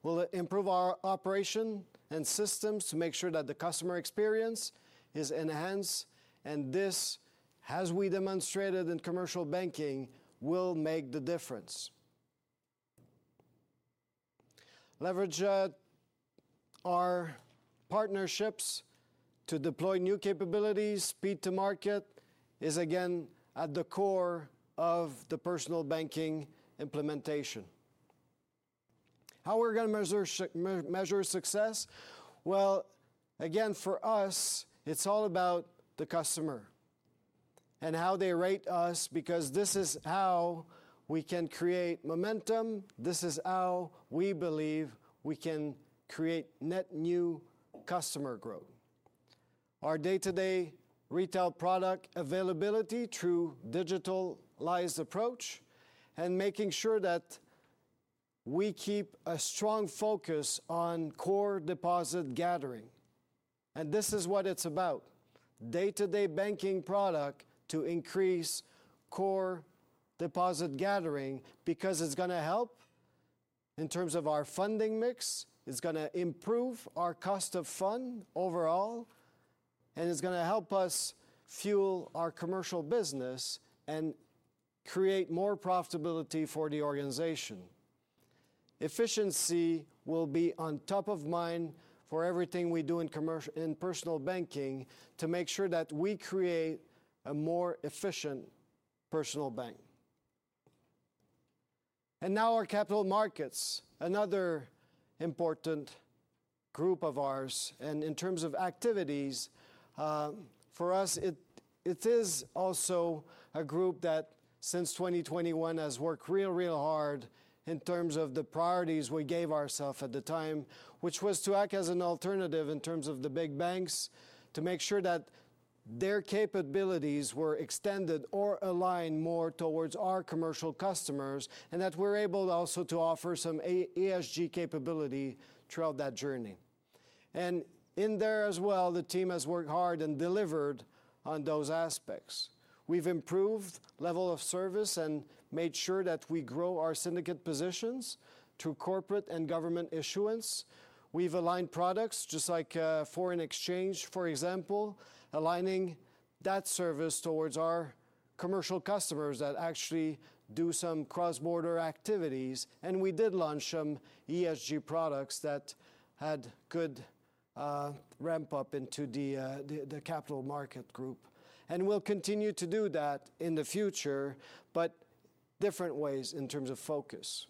We'll improve our operation and systems to make sure that the customer experience is enhanced, and this, as we demonstrated in commercial banking, will make the difference. Leverage our partnerships to deploy new capabilities. Speed to market is, again, at the core of the personal banking implementation. How we're gonna measure success? Well, again, for us, it's all about the customer and how they rate us, because this is how we can create momentum. This is how we believe we can create net new customer growth... our day-to-day retail product availability through digitalized approach, and making sure that we keep a strong focus on core deposit gathering. And this is what it's about: day-to-day banking product to increase core deposit gathering, because it's gonna help in terms of our funding mix, it's gonna improve our cost of fund overall, and it's gonna help us fuel our commercial business and create more profitability for the organization. Efficiency will be on top of mind for everything we do in personal banking, to make sure that we create a more efficient personal bank. And now our capital markets, another important group of ours, and in terms of activities, for us, it is also a group that, since 2021, has worked real, real hard in terms of the priorities we gave ourself at the time, which was to act as an alternative in terms of the big banks, to make sure that their capabilities were extended or aligned more towards our commercial customers, and that we're able also to offer some ESG capability throughout that journey. And in there as well, the team has worked hard and delivered on those aspects. We've improved level of service and made sure that we grow our syndicate positions through corporate and government issuance. We've aligned products, just like foreign exchange, for example, aligning that service towards our commercial customers that actually do some cross-border activities, and we did launch some ESG products that had good ramp-up into the the capital market group. We'll continue to do that in the future, but different ways in terms of focus.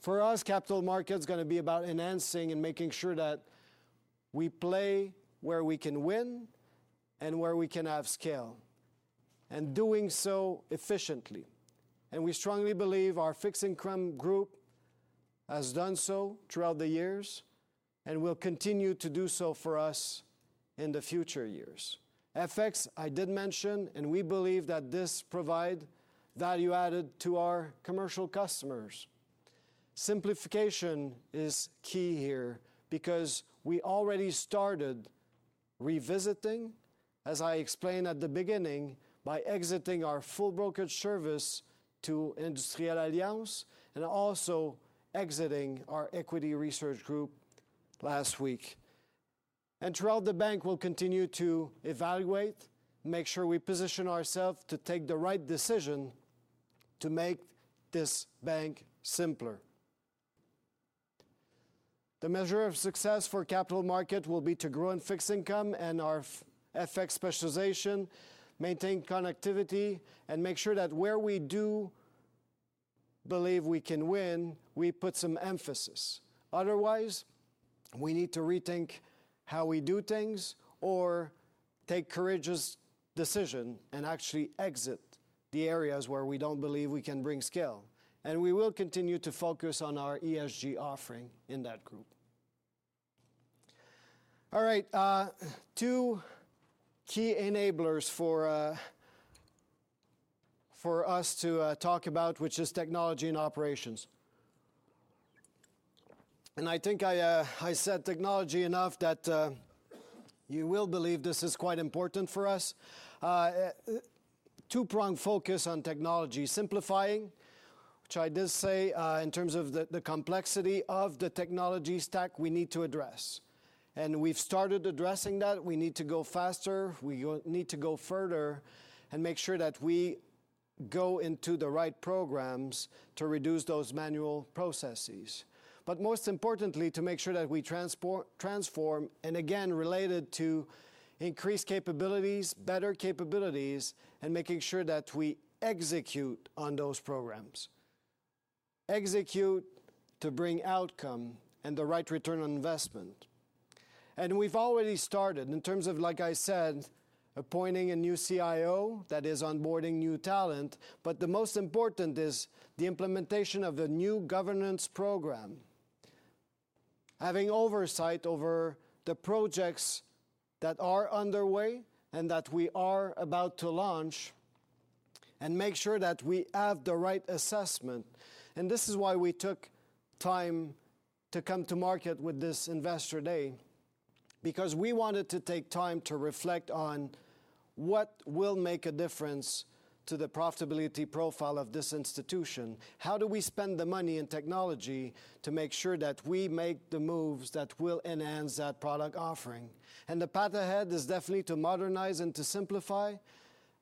For us, capital market is gonna be about enhancing and making sure that we play where we can win and where we can have scale, and doing so efficiently. We strongly believe our fixed income group has done so throughout the years, and will continue to do so for us in the future years. FX, I did mention, and we believe that this provide value added to our commercial customers. Simplification is key here, because we already started revisiting, as I explained at the beginning, by exiting our full brokerage service to Industrielle Alliance, and also exiting our equity research group last week. Throughout the bank, we'll continue to evaluate, make sure we position ourselves to take the right decision to make this bank simpler. The measure of success for capital market will be to grow in fixed income and our FX specialization, maintain connectivity, and make sure that where we do believe we can win, we put some emphasis. Otherwise, we need to rethink how we do things, or take courageous decision and actually exit the areas where we don't believe we can bring skill, and we will continue to focus on our ESG offering in that group. All right, two key enablers for us to talk about, which is technology and operations. And I think I said technology enough that you will believe this is quite important for us. Two-prong focus on technology: simplifying, which I did say, in terms of the complexity of the technology stack we need to address. And we've started addressing that. We need to go faster, we need to go further, and make sure that we go into the right programs to reduce those manual processes. But most importantly, to make sure that we transform, and again, related to increased capabilities, better capabilities, and making sure that we execute on those programs. Execute to bring outcome and the right return on investment. And we've already started in terms of, like I said, appointing a new CIO that is onboarding new talent, but the most important is the implementation of the new governance program. Having oversight over the projects that are underway and that we are about to launch, and make sure that we have the right assessment. And this is why we took time to come to market with this Investor Day, because we wanted to take time to reflect on what will make a difference to the profitability profile of this institution. How do we spend the money in technology to make sure that we make the moves that will enhance that product offering? And the path ahead is definitely to modernize and to simplify,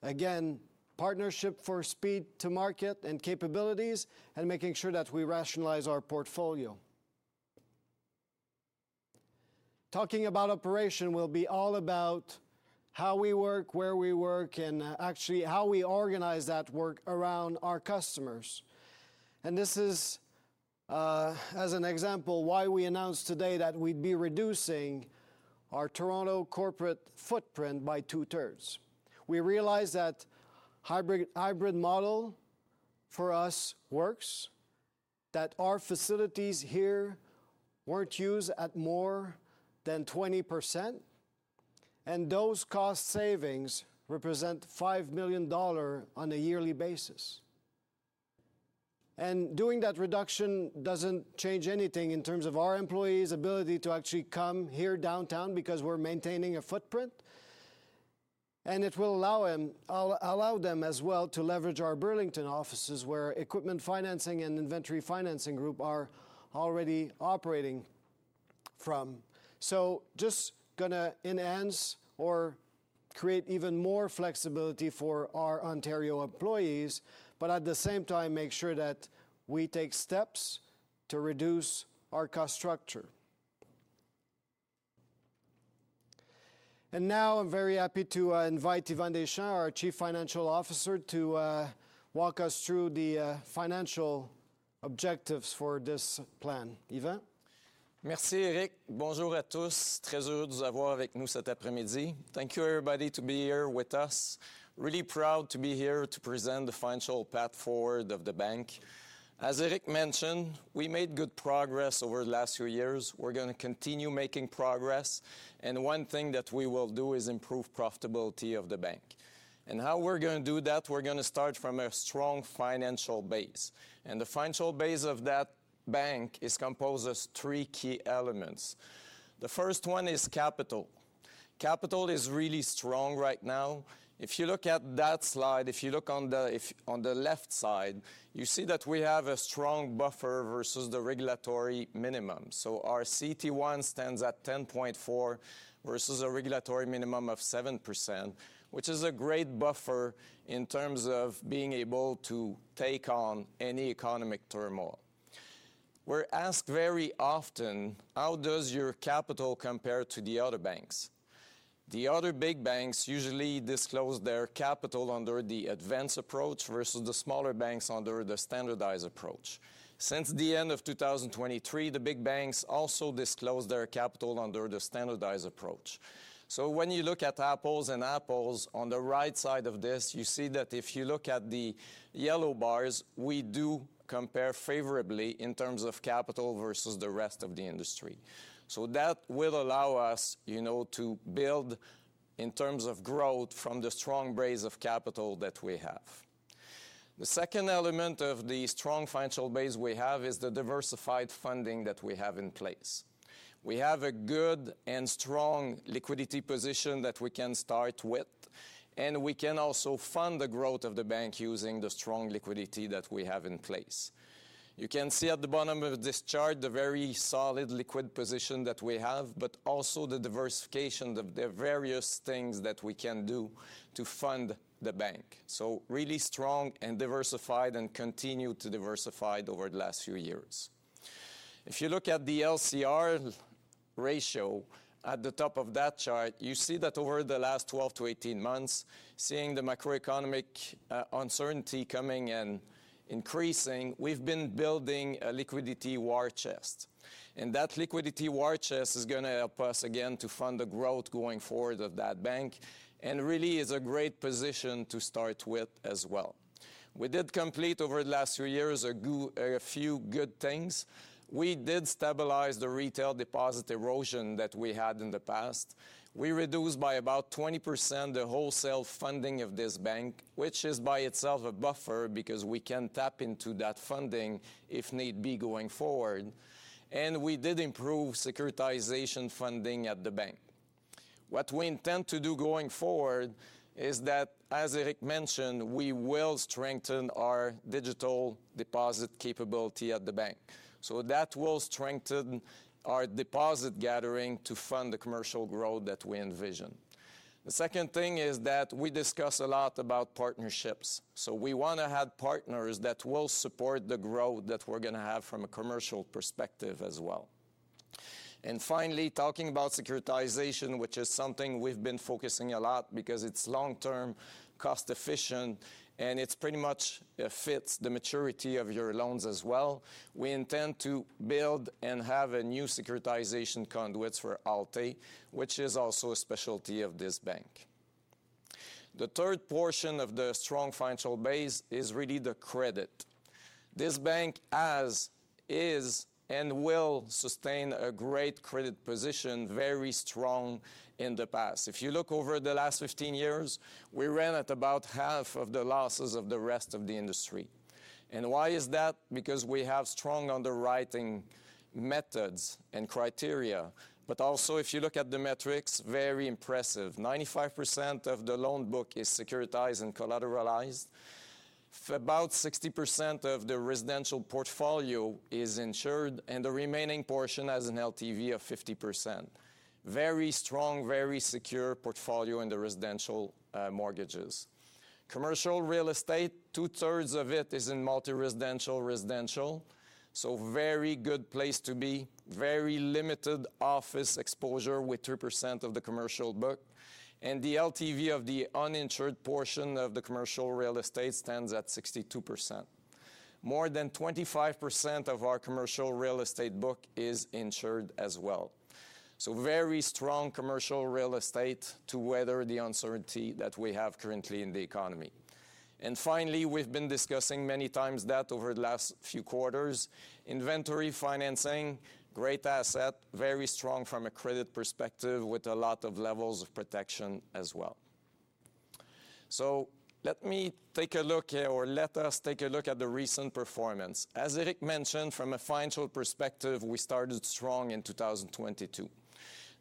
again, partnership for speed to market and capabilities, and making sure that we rationalize our portfolio. Talking about operation will be all about how we work, where we work, and actually how we organize that work around our customers. This is, as an example, why we announced today that we'd be reducing our Toronto corporate footprint by two-thirds. We realize that hybrid, hybrid model, for us, works that our facilities here weren't used at more than 20%, and those cost savings represent $5 million on a yearly basis. Doing that reduction doesn't change anything in terms of our employees' ability to actually come here downtown, because we're maintaining a footprint. It will allow them, allow them as well to leverage our Burlington offices, where equipment financing and inventory financing group are already operating from. Just gonna enhance or create even more flexibility for our Ontario employees, but at the same time, make sure that we take steps to reduce our cost structure. And now, I'm very happy to invite Yvan Deschamps, our Chief Financial Officer, to walk us through the financial objectives for this plan. Yvan? Merci, Éric. Bonjour à tous. Très heureux de vous avoir avec nous cet après-midi. Thank you, everybody, to be here with us. Really proud to be here to present the financial path forward of the bank. As Éric mentioned, we made good progress over the last few years. We're gonna continue making progress, and one thing that we will do is improve profitability of the bank. How we're gonna do that, we're gonna start from a strong financial base, and the financial base of that bank is composed of 3 key elements. The first one is capital. Capital is really strong right now. If you look at that slide, if you look on the left side, you see that we have a strong buffer versus the regulatory minimum. So our CET1 stands at 10.4% versus a regulatory minimum of 7%, which is a great buffer in terms of being able to take on any economic turmoil. We're asked very often: How does your capital compare to the other banks? The other big banks usually disclose their capital under the advanced approach, versus the smaller banks under the standardized approach. Since the end of 2023, the big banks also disclose their capital under the standardized approach. So when you look at apples and apples, on the right side of this, you see that if you look at the yellow bars, we do compare favorably in terms of capital versus the rest of the industry. So that will allow us, you know, to build in terms of growth from the strong base of capital that we have. The second element of the strong financial base we have is the diversified funding that we have in place. We have a good and strong liquidity position that we can start with, and we can also fund the growth of the bank using the strong liquidity that we have in place. You can see at the bottom of this chart, the very solid liquidity position that we have, but also the diversification, the various things that we can do to fund the bank. So really strong and diversified and continued to diversified over the last few years. If you look at the LCR ratio at the top of that chart, you see that over the last 12-18 months, seeing the macroeconomic uncertainty coming and increasing, we've been building a liquidity war chest. And that liquidity war chest is gonna help us, again, to fund the growth going forward of that bank, and really is a great position to start with as well. We did complete, over the last few years, a few good things. We did stabilize the retail deposit erosion that we had in the past. We reduced by about 20% the wholesale funding of this bank, which is by itself a buffer because we can tap into that funding if need be, going forward. And we did improve securitization funding at the bank. What we intend to do going forward is that, as Éric mentioned, we will strengthen our digital deposit capability at the bank. So that will strengthen our deposit gathering to fund the commercial growth that we envision. The second thing is that we discuss a lot about partnerships, so we wanna have partners that will support the growth that we're gonna have from a commercial perspective as well. And finally, talking about securitization, which is something we've been focusing a lot because it's long-term, cost efficient, and it's pretty much, fits the maturity of your loans as well. We intend to build and have a new securitization conduits for Alt-A, which is also a specialty of this bank. The third portion of the strong financial base is really the credit. This bank has, is, and will sustain a great credit position, very strong in the past. If you look over the last 15 years, we ran at about half of the losses of the rest of the industry. And why is that? Because we have strong underwriting methods and criteria, but also, if you look at the metrics, very impressive. 95% of the loan book is securitized and collateralized. About 60% of the residential portfolio is insured, and the remaining portion has an LTV of 50%. Very strong, very secure portfolio in the residential mortgages. Commercial real estate, two-thirds of it is in multi-residential, residential, so very good place to be. Very limited office exposure with 2% of the commercial book, and the LTV of the uninsured portion of the commercial real estate stands at 62%. More than 25% of our commercial real estate book is insured as well. So very strong commercial real estate to weather the uncertainty that we have currently in the economy. And finally, we've been discussing many times that over the last few quarters, inventory financing, great asset, very strong from a credit perspective, with a lot of levels of protection as well. So let me take a look here, or let us take a look at the recent performance. As Eric mentioned, from a financial perspective, we started strong in 2022.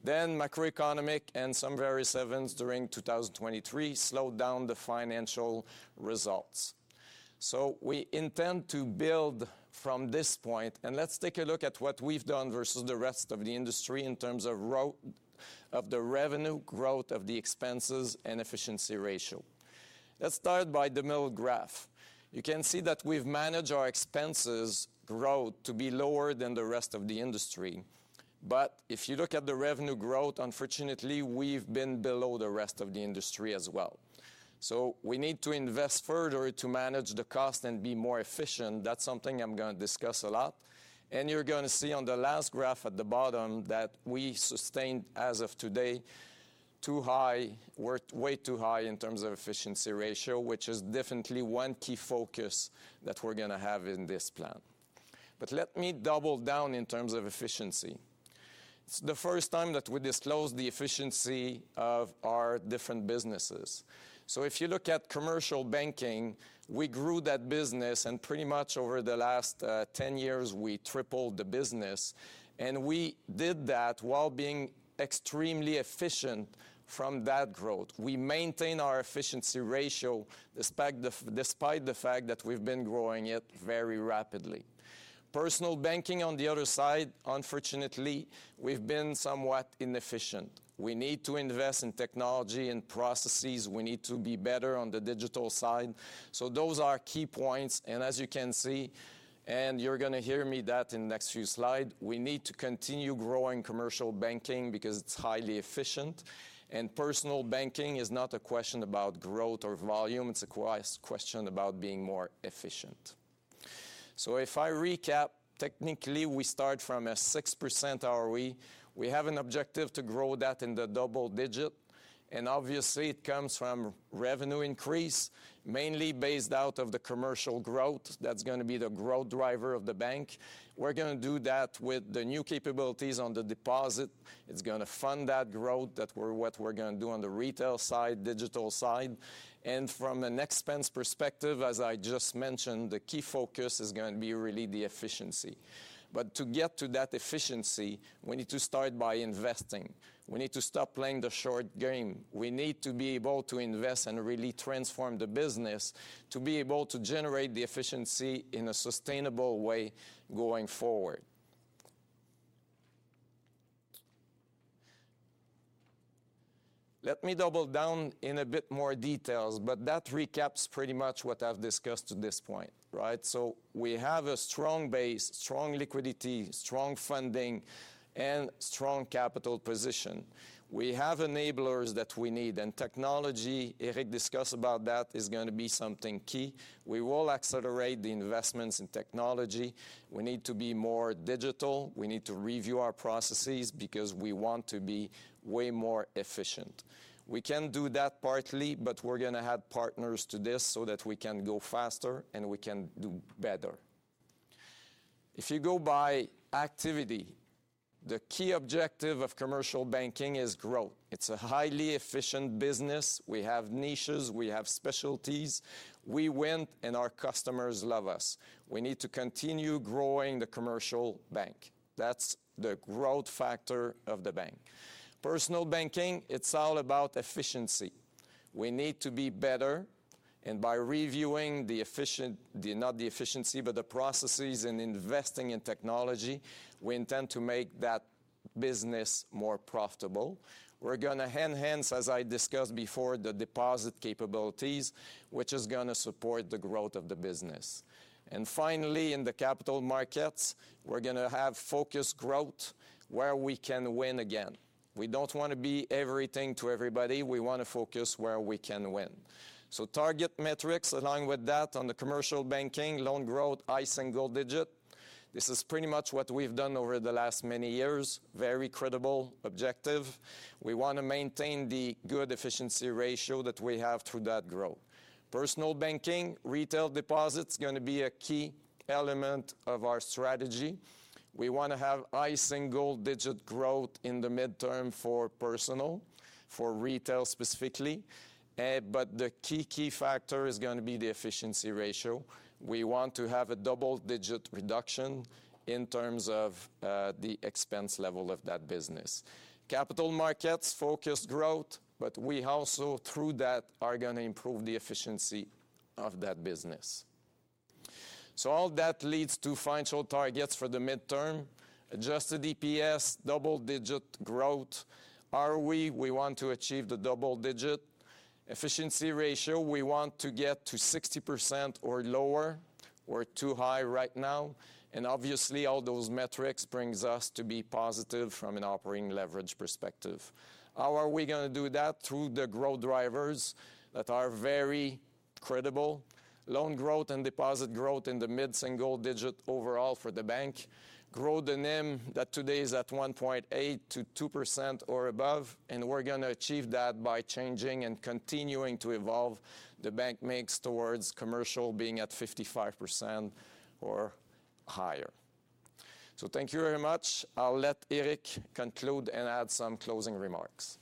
Then macroeconomic and some various events during 2023 slowed down the financial results. So we intend to build from this point, and let's take a look at what we've done versus the rest of the industry in terms of growth, of the revenue growth, of the expenses, and efficiency ratio. Let's start by the middle graph. You can see that we've managed our expenses growth to be lower than the rest of the industry. But if you look at the revenue growth, unfortunately, we've been below the rest of the industry as well. So we need to invest further to manage the cost and be more efficient. That's something I'm gonna discuss a lot. And you're gonna see on the last graph at the bottom, that we sustained, as of today, too high—we're way too high in terms of efficiency ratio, which is definitely one key focus that we're gonna have in this plan. But let me double down in terms of efficiency. It's the first time that we disclose the efficiency of our different businesses. So if you look at commercial banking, we grew that business, and pretty much over the last 10 years, we tripled the business, and we did that while being extremely efficient from that growth. We maintain our efficiency ratio, despite the fact that we've been growing it very rapidly. Personal banking, on the other side, unfortunately, we've been somewhat inefficient. We need to invest in technology and processes. We need to be better on the digital side. So those are key points, and as you can see, and you're gonna hear me that in the next few slide, we need to continue growing commercial banking because it's highly efficient. And personal banking is not a question about growth or volume, it's a question about being more efficient. So if I recap, technically, we start from a 6% ROE. We have an objective to grow that in the double digit, and obviously it comes from revenue increase, mainly based out of the commercial growth. That's gonna be the growth driver of the bank. We're gonna do that with the new capabilities on the deposit. It's gonna fund that growth. That we're—what we're gonna do on the retail side, digital side. And from an expense perspective, as I just mentioned, the key focus is gonna be really the efficiency. But to get to that efficiency, we need to start by investing. We need to stop playing the short game. We need to be able to invest and really transform the business to be able to generate the efficiency in a sustainable way going forward. Let me double down in a bit more details, but that recaps pretty much what I've discussed at this point, right? So we have a strong base, strong liquidity, strong funding, and strong capital position. We have enablers that we need, and technology, Éric discussed about that, is gonna be something key. We will accelerate the investments in technology. We need to be more digital. We need to review our processes because we want to be way more efficient. We can do that partly, but we're gonna add partners to this so that we can go faster and we can do better. If you go by activity, the key objective of commercial banking is growth. It's a highly efficient business. We have niches, we have specialties, we win, and our customers love us. We need to continue growing the commercial bank. That's the growth factor of the bank. Personal banking, it's all about efficiency. We need to be better, and by reviewing the efficient, not the efficiency, but the processes and investing in technology, we intend to make that business more profitable. We're gonna enhance, as I discussed before, the deposit capabilities, which is gonna support the growth of the business. And finally, in the capital markets, we're gonna have focused growth where we can win again. We don't want to be everything to everybody. We want to focus where we can win. So target metrics, along with that, on the commercial banking, loan growth, high single-digit. This is pretty much what we've done over the last many years. Very credible objective. We want to maintain the good efficiency ratio that we have through that growth. Personal banking, retail deposits, gonna be a key element of our strategy. We wanna have high single-digit growth in the midterm for personal, for retail specifically, but the key, key factor is gonna be the efficiency ratio. We want to have a double-digit reduction in terms of the expense level of that business. Capital markets, focused growth, but we also through that, are gonna improve the efficiency of that business. So all that leads to financial targets for the midterm. Adjusted EPS, double-digit growth. ROE, we want to achieve the double digit. Efficiency ratio, we want to get to 60% or lower. We're too high right now, and obviously all those metrics brings us to be positive from an operating leverage perspective. How are we gonna do that? Through the growth drivers that are very credible. Loan growth and deposit growth in the mid-single digit overall for the bank. Grow the NIM that today is at 1.8%-2% or above, and we're gonna achieve that by changing and continuing to evolve the bank mix towards commercial being at 55% or higher. So thank you very much. I'll let Éric conclude and add some closing remarks.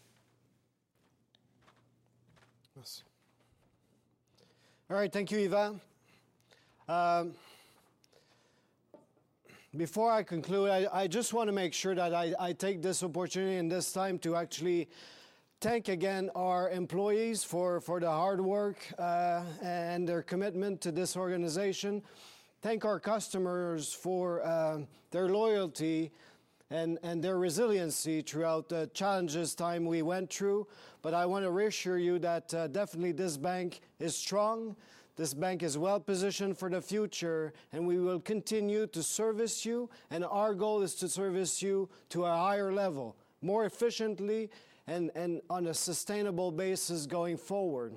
Yes. All right, thank you, Yvan. Before I conclude, I just wanna make sure that I take this opportunity and this time to actually thank again our employees for their hard work and their commitment to this organization. Thank our customers for their loyalty and their resiliency throughout the challenging time we went through. But I want to reassure you that definitely this bank is strong, this bank is well positioned for the future, and we will continue to service you, and our goal is to service you to a higher level, more efficiently and on a sustainable basis going forward.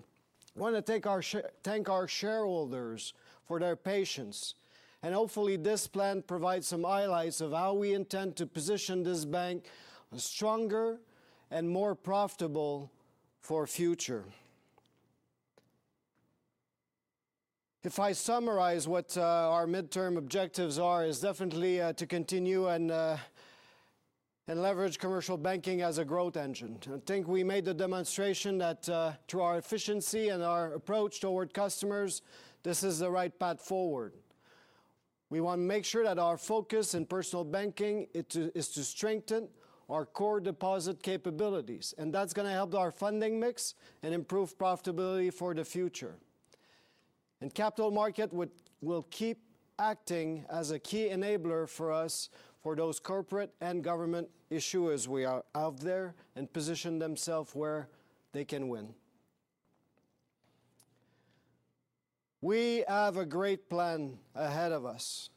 I wanna thank our shareholders for their patience, and hopefully, this plan provides some highlights of how we intend to position this bank stronger and more profitable for future. If I summarize what our midterm objectives are, is definitely to continue and and leverage commercial banking as a growth engine. I think we made the demonstration that through our efficiency and our approach toward customers, this is the right path forward. We want to make sure that our focus in personal banking is to strengthen our core deposit capabilities, and that's gonna help our funding mix and improve profitability for the future. In capital market, we will keep acting as a key enabler for us, for those corporate and government issuers we have there, and position themselves where they can win. We have a great plan ahead of us.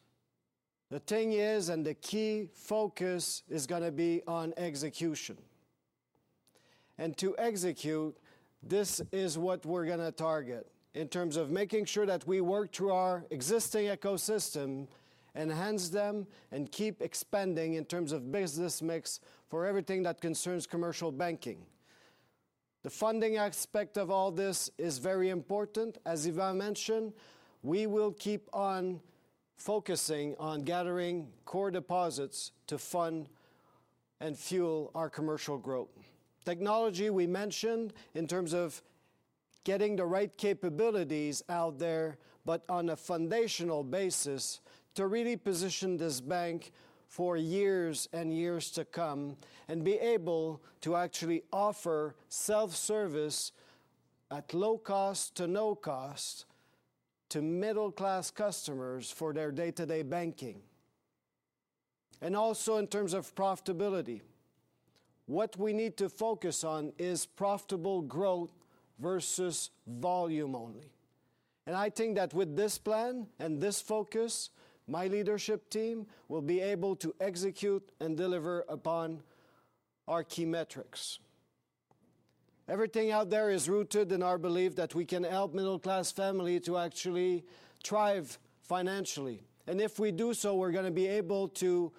The thing is, and the key focus is gonna be on execution. To execute, this is what we're gonna target in terms of making sure that we work through our existing ecosystem, enhance them, and keep expanding in terms of business mix for everything that concerns commercial banking. The funding aspect of all this is very important. As Yvan mentioned, we will keep on focusing on gathering core deposits to fund and fuel our commercial growth. Technology, we mentioned, in terms of getting the right capabilities out there, but on a foundational basis, to really position this bank for years and years to come, and be able to actually offer self-service at low cost to no cost to middle-class customers for their day-to-day banking. Also, in terms of profitability, what we need to focus on is profitable growth versus volume only. I think that with this plan and this focus, my leadership team will be able to execute and deliver upon our key metrics. Everything out there is rooted in our belief that we can help middle-class family to actually thrive financially. And if we do so, we're gonna be able to,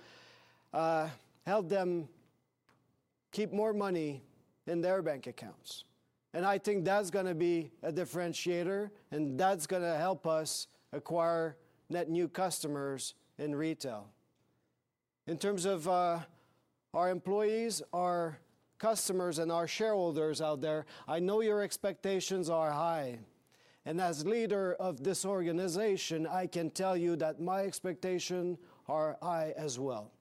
help them keep more money in their bank accounts. And I think that's gonna be a differentiator, and that's gonna help us acquire net new customers in retail. In terms of, our employees, our customers, and our shareholders out there, I know your expectations are high, and as leader of this organization, I can tell you that my expectation are high as well.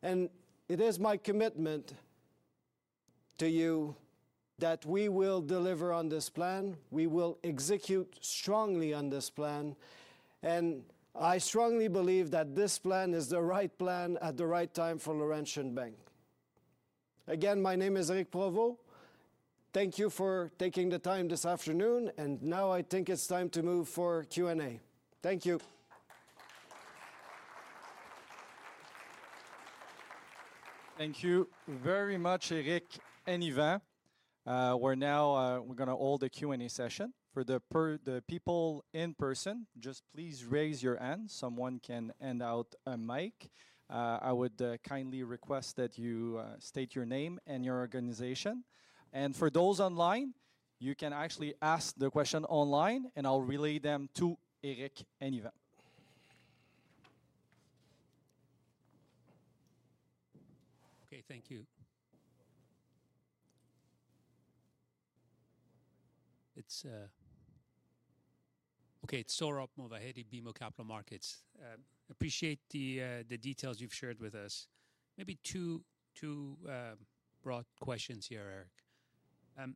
And it is my commitment to you that we will deliver on this plan. We will execute strongly on this plan, and I strongly believe that this plan is the right plan at the right time for Laurentian Bank. Again, my name is Éric Provost. Thank you for taking the time this afternoon, and now I think it's time to move for Q&A. Thank you. Thank you very much, Eric and Yvan. We're now, we're gonna hold a Q&A session. For the people in person, just please raise your hand. Someone can hand out a mic. I would kindly request that you state your name and your organization. And for those online, you can actually ask the question online, and I'll relay them to Eric and Yvan. Okay, thank you. It's... Okay, it's Sohrab Movahedi, BMO Capital Markets. Appreciate the details you've shared with us. Maybe 2 broad questions here, Eric.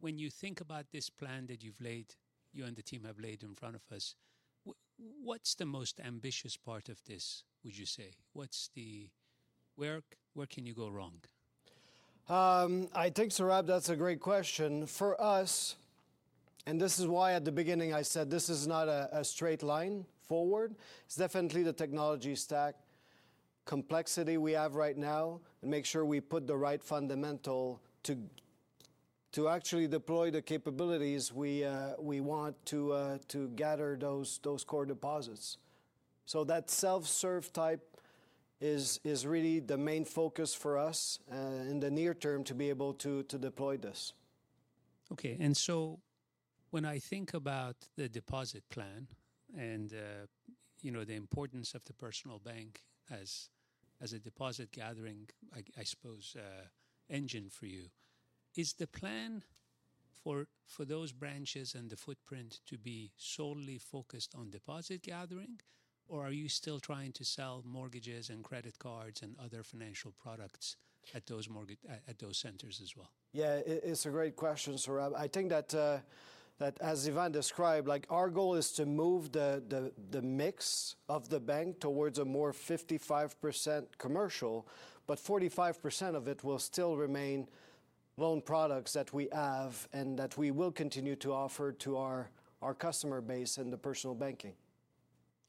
When you think about this plan that you've laid, you and the team have laid in front of us, what's the most ambitious part of this, would you say? What's the... Where, where can you go wrong? I think, Sohrab, that's a great question. For us, and this is why, at the beginning, I said this is not a straight line forward, it's definitely the technology stack complexity we have right now, and make sure we put the right fundamental to actually deploy the capabilities we want to gather those core deposits. So that self-serve type is really the main focus for us in the near term to be able to deploy this. Okay, and so when I think about the deposit plan and, you know, the importance of the personal bank as a deposit gathering, I suppose, engine for you, is the plan for those branches and the footprint to be solely focused on deposit gathering? Or are you still trying to sell mortgages and credit cards and other financial products at those centers as well? Yeah, it's a great question, Sohrab. I think that as Yvan described, like, our goal is to move the mix of the bank towards a more 55% commercial, but 45% of it will still remain loan products that we have and that we will continue to offer to our customer base in the personal banking.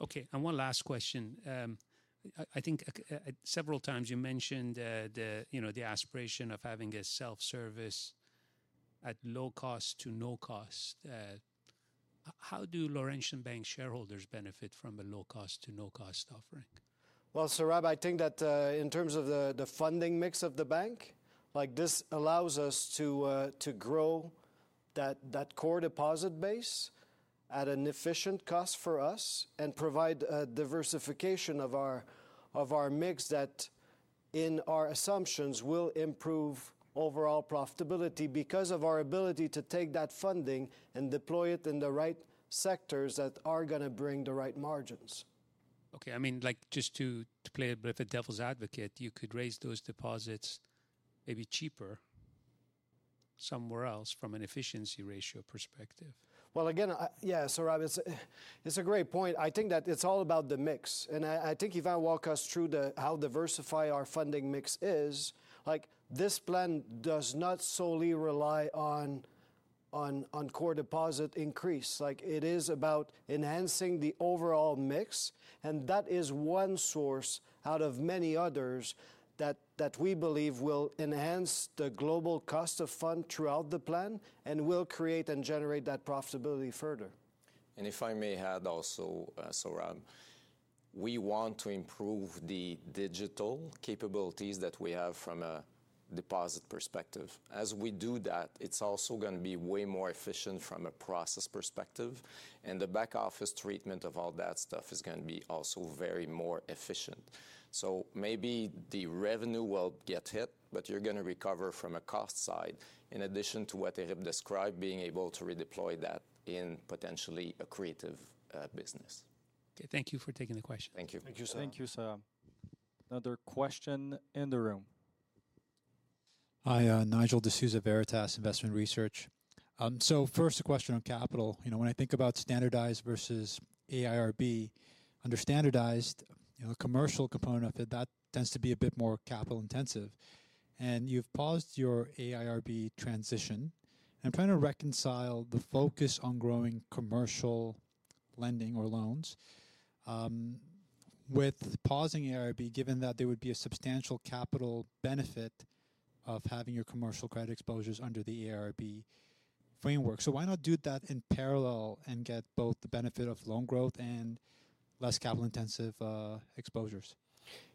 Okay, and one last question. I think several times you mentioned, you know, the aspiration of having a self-service at low cost to no cost. How do Laurentian Bank shareholders benefit from a low-cost to no-cost offering? Well, Sohrab, I think that, in terms of the, the funding mix of the bank, like, this allows us to, to grow that, that core deposit base at an efficient cost for us and provide a diversification of our, of our mix that, in our assumptions, will improve overall profitability because of our ability to take that funding and deploy it in the right sectors that are gonna bring the right margins. Okay, I mean, like, just to play a bit of devil's advocate, you could raise those deposits maybe cheaper somewhere else from an efficiency ratio perspective. Well, again, yeah, Sohrab, it's a great point. I think that it's all about the mix, and I think Yvan walk us through the how diversified our funding mix is. Like, this plan does not solely rely on core deposit increase. Like, it is about enhancing the overall mix, and that is one source out of many others that we believe will enhance the overall cost of funds throughout the plan and will create and generate that profitability further. If I may add also, Sohrab, we want to improve the digital capabilities that we have from a deposit perspective. As we do that, it's also gonna be way more efficient from a process perspective, and the back office treatment of all that stuff is gonna be also very more efficient. So maybe the revenue will get hit, but you're gonna recover from a cost side, in addition to what Ehab described, being able to redeploy that in potentially a creative business. Okay. Thank you for taking the question. Thank you. Thank you, sir. Thank you, Sohrab. Another question in the room. Hi, Nigel D'Souza, Veritas Investment Research. So first, a question on capital. You know, when I think about standardized versus AIRB, under standardized, you know, commercial component of it, that tends to be a bit more capital intensive, and you've paused your AIRB transition. I'm trying to reconcile the focus on growing commercial lending or loans, with pausing AIRB, given that there would be a substantial capital benefit of having your commercial credit exposures under the AIRB framework. So why not do that in parallel and get both the benefit of loan growth and less capital-intensive, exposures?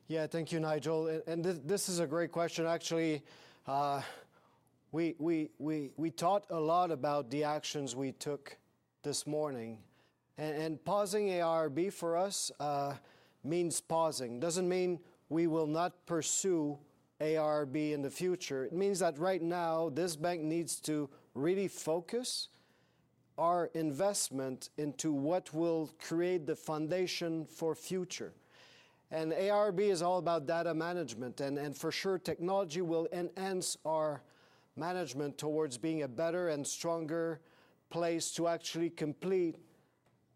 Yeah. Thank you, Nigel, and this is a great question. Actually, we talked a lot about the actions we took this morning, and pausing AIRB for us means pausing. Doesn't mean we will not pursue AIRB in the future. It means that right now, this bank needs to really focus our investment into what will create the foundation for future. And AIRB is all about data management, and for sure, technology will enhance our management towards being a better and stronger place to actually complete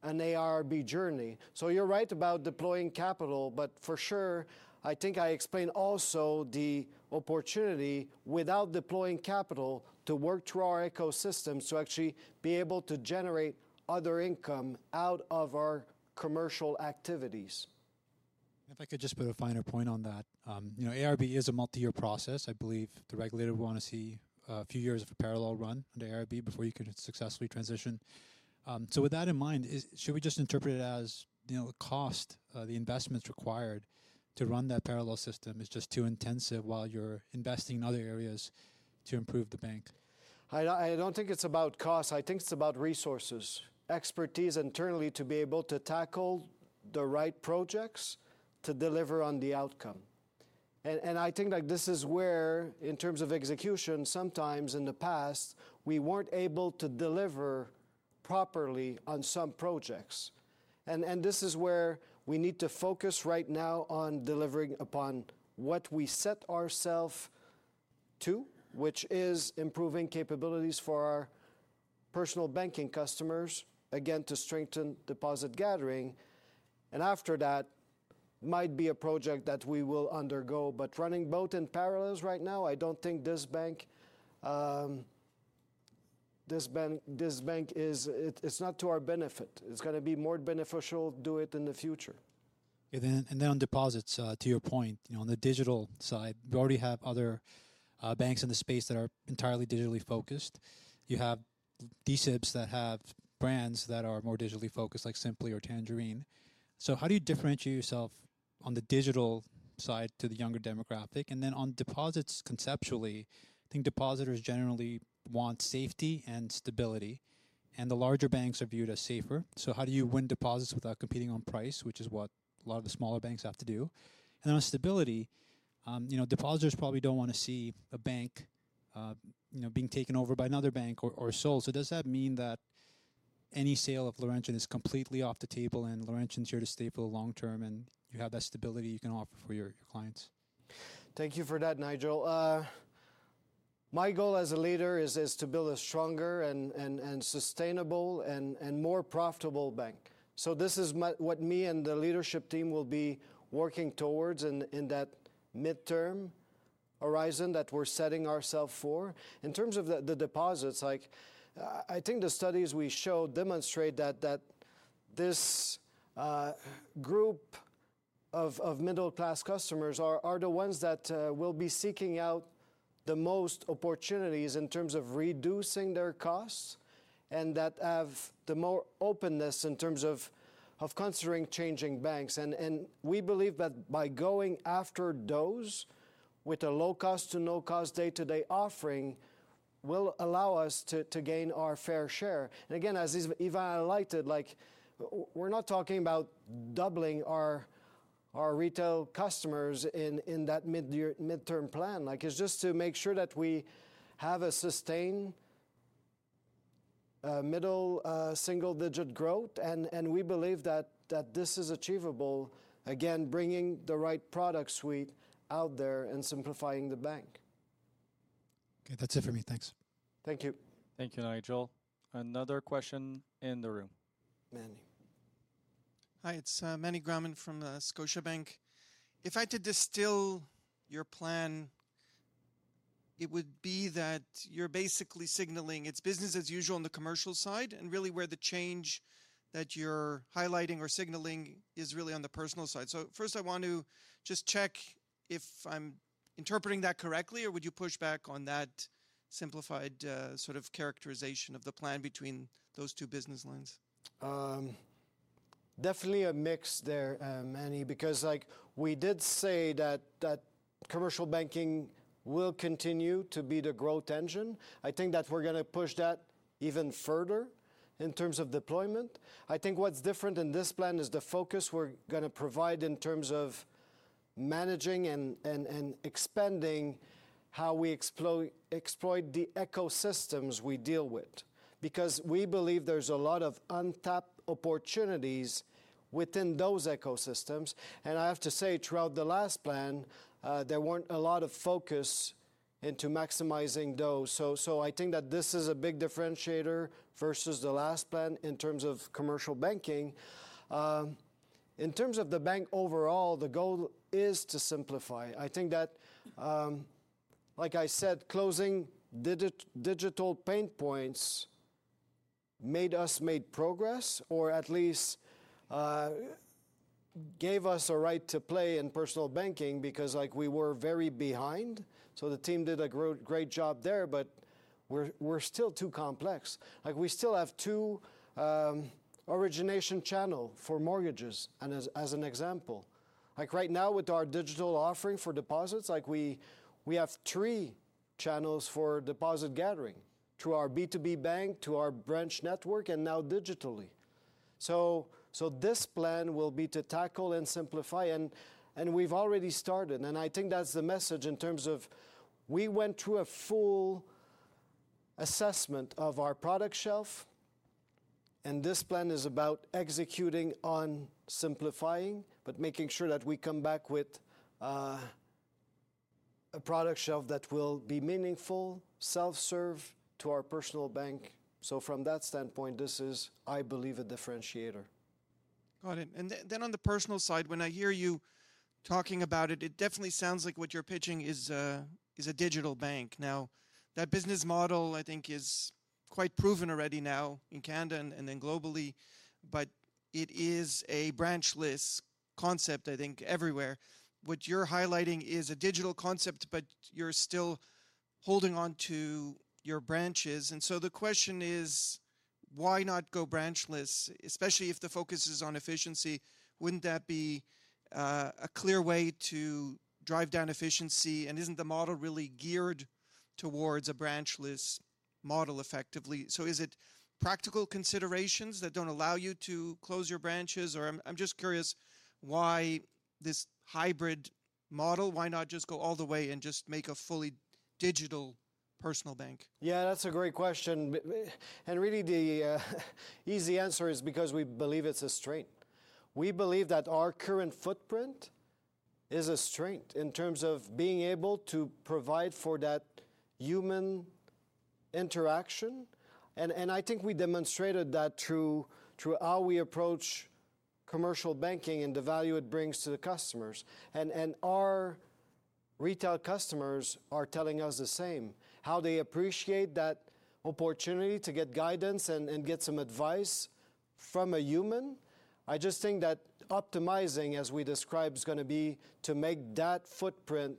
an AIRB journey. So you're right about deploying capital, but for sure, I think I explained also the opportunity, without deploying capital, to work through our ecosystems to actually be able to generate other income out of our commercial activities. If I could just put a finer point on that. You know, AIRB is a multi-year process. I believe the regulator will wanna see a few years of a parallel run under AIRB before you could successfully transition. So with that in mind, should we just interpret it as, you know, the cost, the investments required to run that parallel system is just too intensive while you're investing in other areas to improve the bank? I don't think it's about cost. I think it's about resources, expertise internally to be able to tackle the right projects to deliver on the outcome. And I think, like, this is where, in terms of execution, sometimes in the past, we weren't able to deliver properly on some projects. And this is where we need to focus right now on delivering upon what we set ourself to, which is improving capabilities for our personal banking customers, again, to strengthen deposit gathering. And after that, might be a project that we will undergo, but running both in parallels right now, I don't think this bank, this bank, this bank is, it, it's not to our benefit. It's gonna be more beneficial do it in the future. Okay, then, and then on deposits, to your point, you know, on the digital side, you already have other, banks in the space that are entirely digitally focused. You have subs that have brands that are more digitally focused, like Simplii or Tangerine. So how do you differentiate yourself on the digital side to the younger demographic? And then on deposits, conceptually, I think depositors generally want safety and stability, and the larger banks are viewed as safer. So how do you win deposits without competing on price, which is what a lot of the smaller banks have to do? And on stability, you know, depositors probably don't wanna see a bank, you know, being taken over by another bank or, or sold. Does that mean that any sale of Laurentian is completely off the table, and Laurentian is here to stay for the long term, and you have that stability you can offer for your clients? Thank you for that, Nigel. My goal as a leader is to build a stronger and sustainable and more profitable bank. So this is what me and the leadership team will be working towards in that midterm horizon that we're setting ourself for. In terms of the deposits, like, I think the studies we showed demonstrate that this group of middle-class customers are the ones that will be seeking out the most opportunities in terms of reducing their costs, and that have the more openness in terms of considering changing banks. And we believe that by going after those with a low-cost to no-cost day-to-day offering, will allow us to gain our fair share. And again, as Yvan highlighted, like, we're not talking about doubling our, our retail customers in, in that midterm plan. Like, it's just to make sure that we have a sustained, middle, single-digit growth, and we believe that, that this is achievable, again, bringing the right product suite out there and simplifying the bank. Okay. That's it for me. Thanks. Thank you. Thank you, Nigel. Another question in the room. Manny. Hi, it's Meny Grauman from Scotiabank. If I had to distill your plan, it would be that you're basically signaling it's business as usual on the commercial side, and really where the change that you're highlighting or signaling is really on the personal side. So first, I want to just check if I'm interpreting that correctly, or would you push back on that simplified, sort of characterization of the plan between those 2 business lines? Definitely a mix there, Meny, because, like, we did say that commercial banking will continue to be the growth engine. I think that we're gonna push that even further in terms of deployment. I think what's different in this plan is the focus we're gonna provide in terms of managing and expanding how we exploit the ecosystems we deal with. Because we believe there's a lot of untapped opportunities within those ecosystems, and I have to say, throughout the last plan, there weren't a lot of focus into maximizing those. So I think that this is a big differentiator versus the last plan in terms of commercial banking. In terms of the bank overall, the goal is to simplify. I think that, like I said, closing digital pain points made us make progress, or at least, gave us a right to play in personal banking, because, like, we were very behind. So the team did a great job there, but we're still too complex. Like, we still have two origination channels for mortgages, and as an example. Like, right now, with our digital offering for deposits, like, we have 3 channels for deposit gathering: through our B2B Bank, to our branch network, and now digitally. So, this plan will be to tackle and simplify, and we've already started, and I think that's the message in terms of we went through a full assessment of our product shelf, and this plan is about executing on simplifying, but making sure that we come back with a product shelf that will be meaningful, self-serve to our personal bank. So from that standpoint, this is, I believe, a differentiator. Got it. And then on the personal side, when I hear you talking about it, it definitely sounds like what you're pitching is a digital bank. Now, that business model, I think, is quite proven already now in Canada and globally, but it is a branch-less concept, I think, everywhere. What you're highlighting is a digital concept, but you're still holding on to your branches, and so the question is: Why not go branch-less, especially if the focus is on efficiency? Wouldn't that be a clear way to drive down efficiency? And isn't the model really geared towards a branch-less model effectively? So is it practical considerations that don't allow you to close your branches, or... I'm just curious why this hybrid model? Why not just go all the way and just make a fully digital personal bank? Yeah, that's a great question. And really, the easy answer is because we believe it's a strength. We believe that our current footprint is a strength in terms of being able to provide for that human interaction, and I think we demonstrated that through how we approach commercial banking and the value it brings to the customers. And our retail customers are telling us the same, how they appreciate that opportunity to get guidance and get some advice from a human. I just think that optimizing, as we described, is gonna be to make that footprint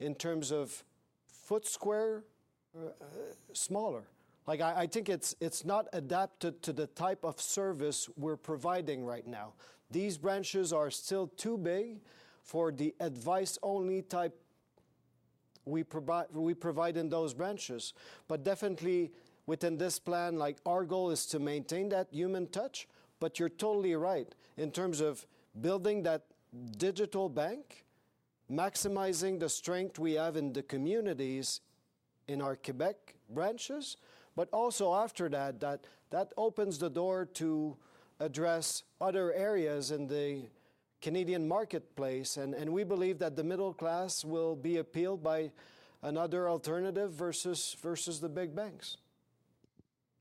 in terms of foot square smaller. Like I think it's not adapted to the type of service we're providing right now. These branches are still too big for the advice-only type we provide in those branches. But definitely, within this plan, like, our goal is to maintain that human touch. But you're totally right, in terms of building that digital bank, maximizing the strength we have in the communities in our Québec branches, but also after that, that opens the door to address other areas in the Canadian marketplace. And we believe that the middle class will be appealed by another alternative versus the big banks.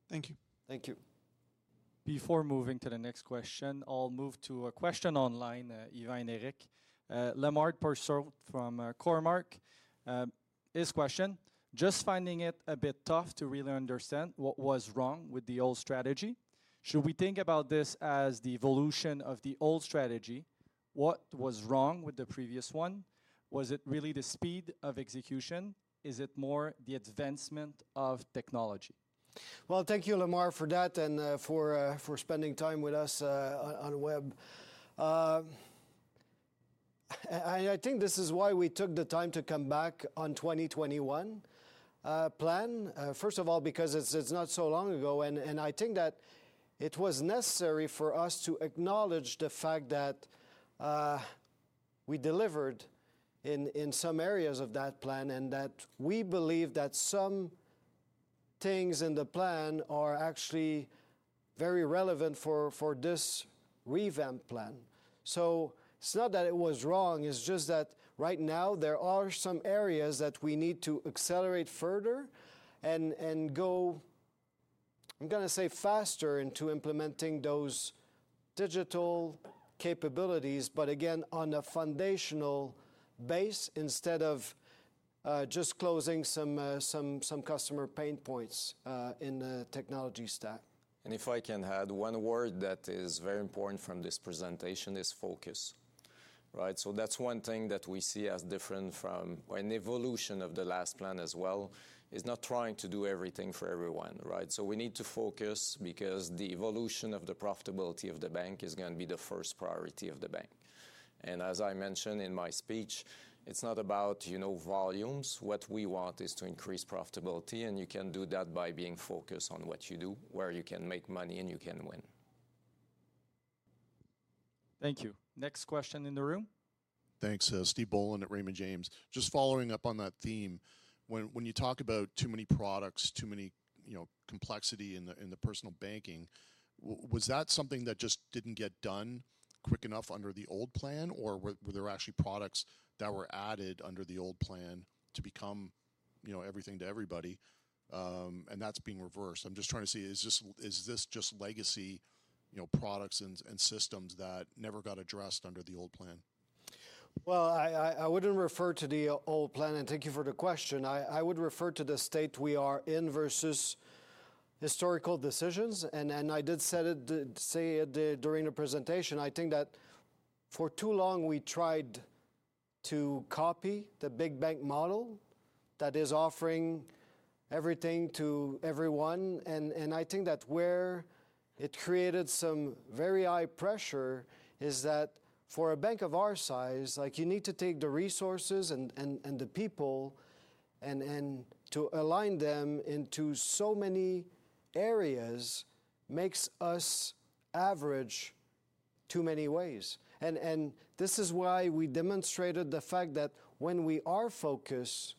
Thank you. Thank you. Before moving to the next question, I'll move to a question online, Yvan Eric. Lemar Persaud from, Cormark, his question: just finding it a bit tough to really understand what was wrong with the old strategy. Should we think about this as the evolution of the old strategy? What was wrong with the previous one? Was it really the speed of execution? Is it more the advancement of technology? Well, thank you, Lemar, for that, and for spending time with us on the web. I think this is why we took the time to come back on 2021 plan. First of all, because it's not so long ago, and I think that it was necessary for us to acknowledge the fact that we delivered in some areas of that plan, and that we believe that some things in the plan are actually very relevant for this revamped plan. So it's not that it was wrong, it's just that right now there are some areas that we need to accelerate further, and go, I'm gonna say faster into implementing those digital capabilities, but again, on a foundational base instead of just closing some customer pain points in the technology stack. And if I can add one word that is very important from this presentation is focus, right? So that's one thing that we see as different from... an evolution of the last plan as well, is not trying to do everything for everyone, right? So we need to focus because the evolution of the profitability of the bank is gonna be the first priority of the bank. And as I mentioned in my speech, it's not about, you know, volumes. What we want is to increase profitability, and you can do that by being focused on what you do, where you can make money and you can win. Thank you. Next question in the room. Thanks. Steve Boland at Raymond James. Just following up on that theme, when you talk about too many products, too many, you know, complexity in the personal banking, was that something that just didn't get done quick enough under the old plan, or were there actually products that were added under the old plan to become, you know, everything to everybody, and that's being reversed? I'm just trying to see, is this just legacy, you know, products and systems that never got addressed under the old plan? Well, I wouldn't refer to the old plan, and thank you for the question. I would refer to the state we are in versus historical decisions, and I did said it, say it during the presentation. I think that for too long we tried to copy the big bank model that is offering everything to everyone, and I think that where it created some very high pressure is that for a bank of our size, like, you need to take the resources and the people, and to align them into so many areas makes us average too many ways. And this is why we demonstrated the fact that when we are focused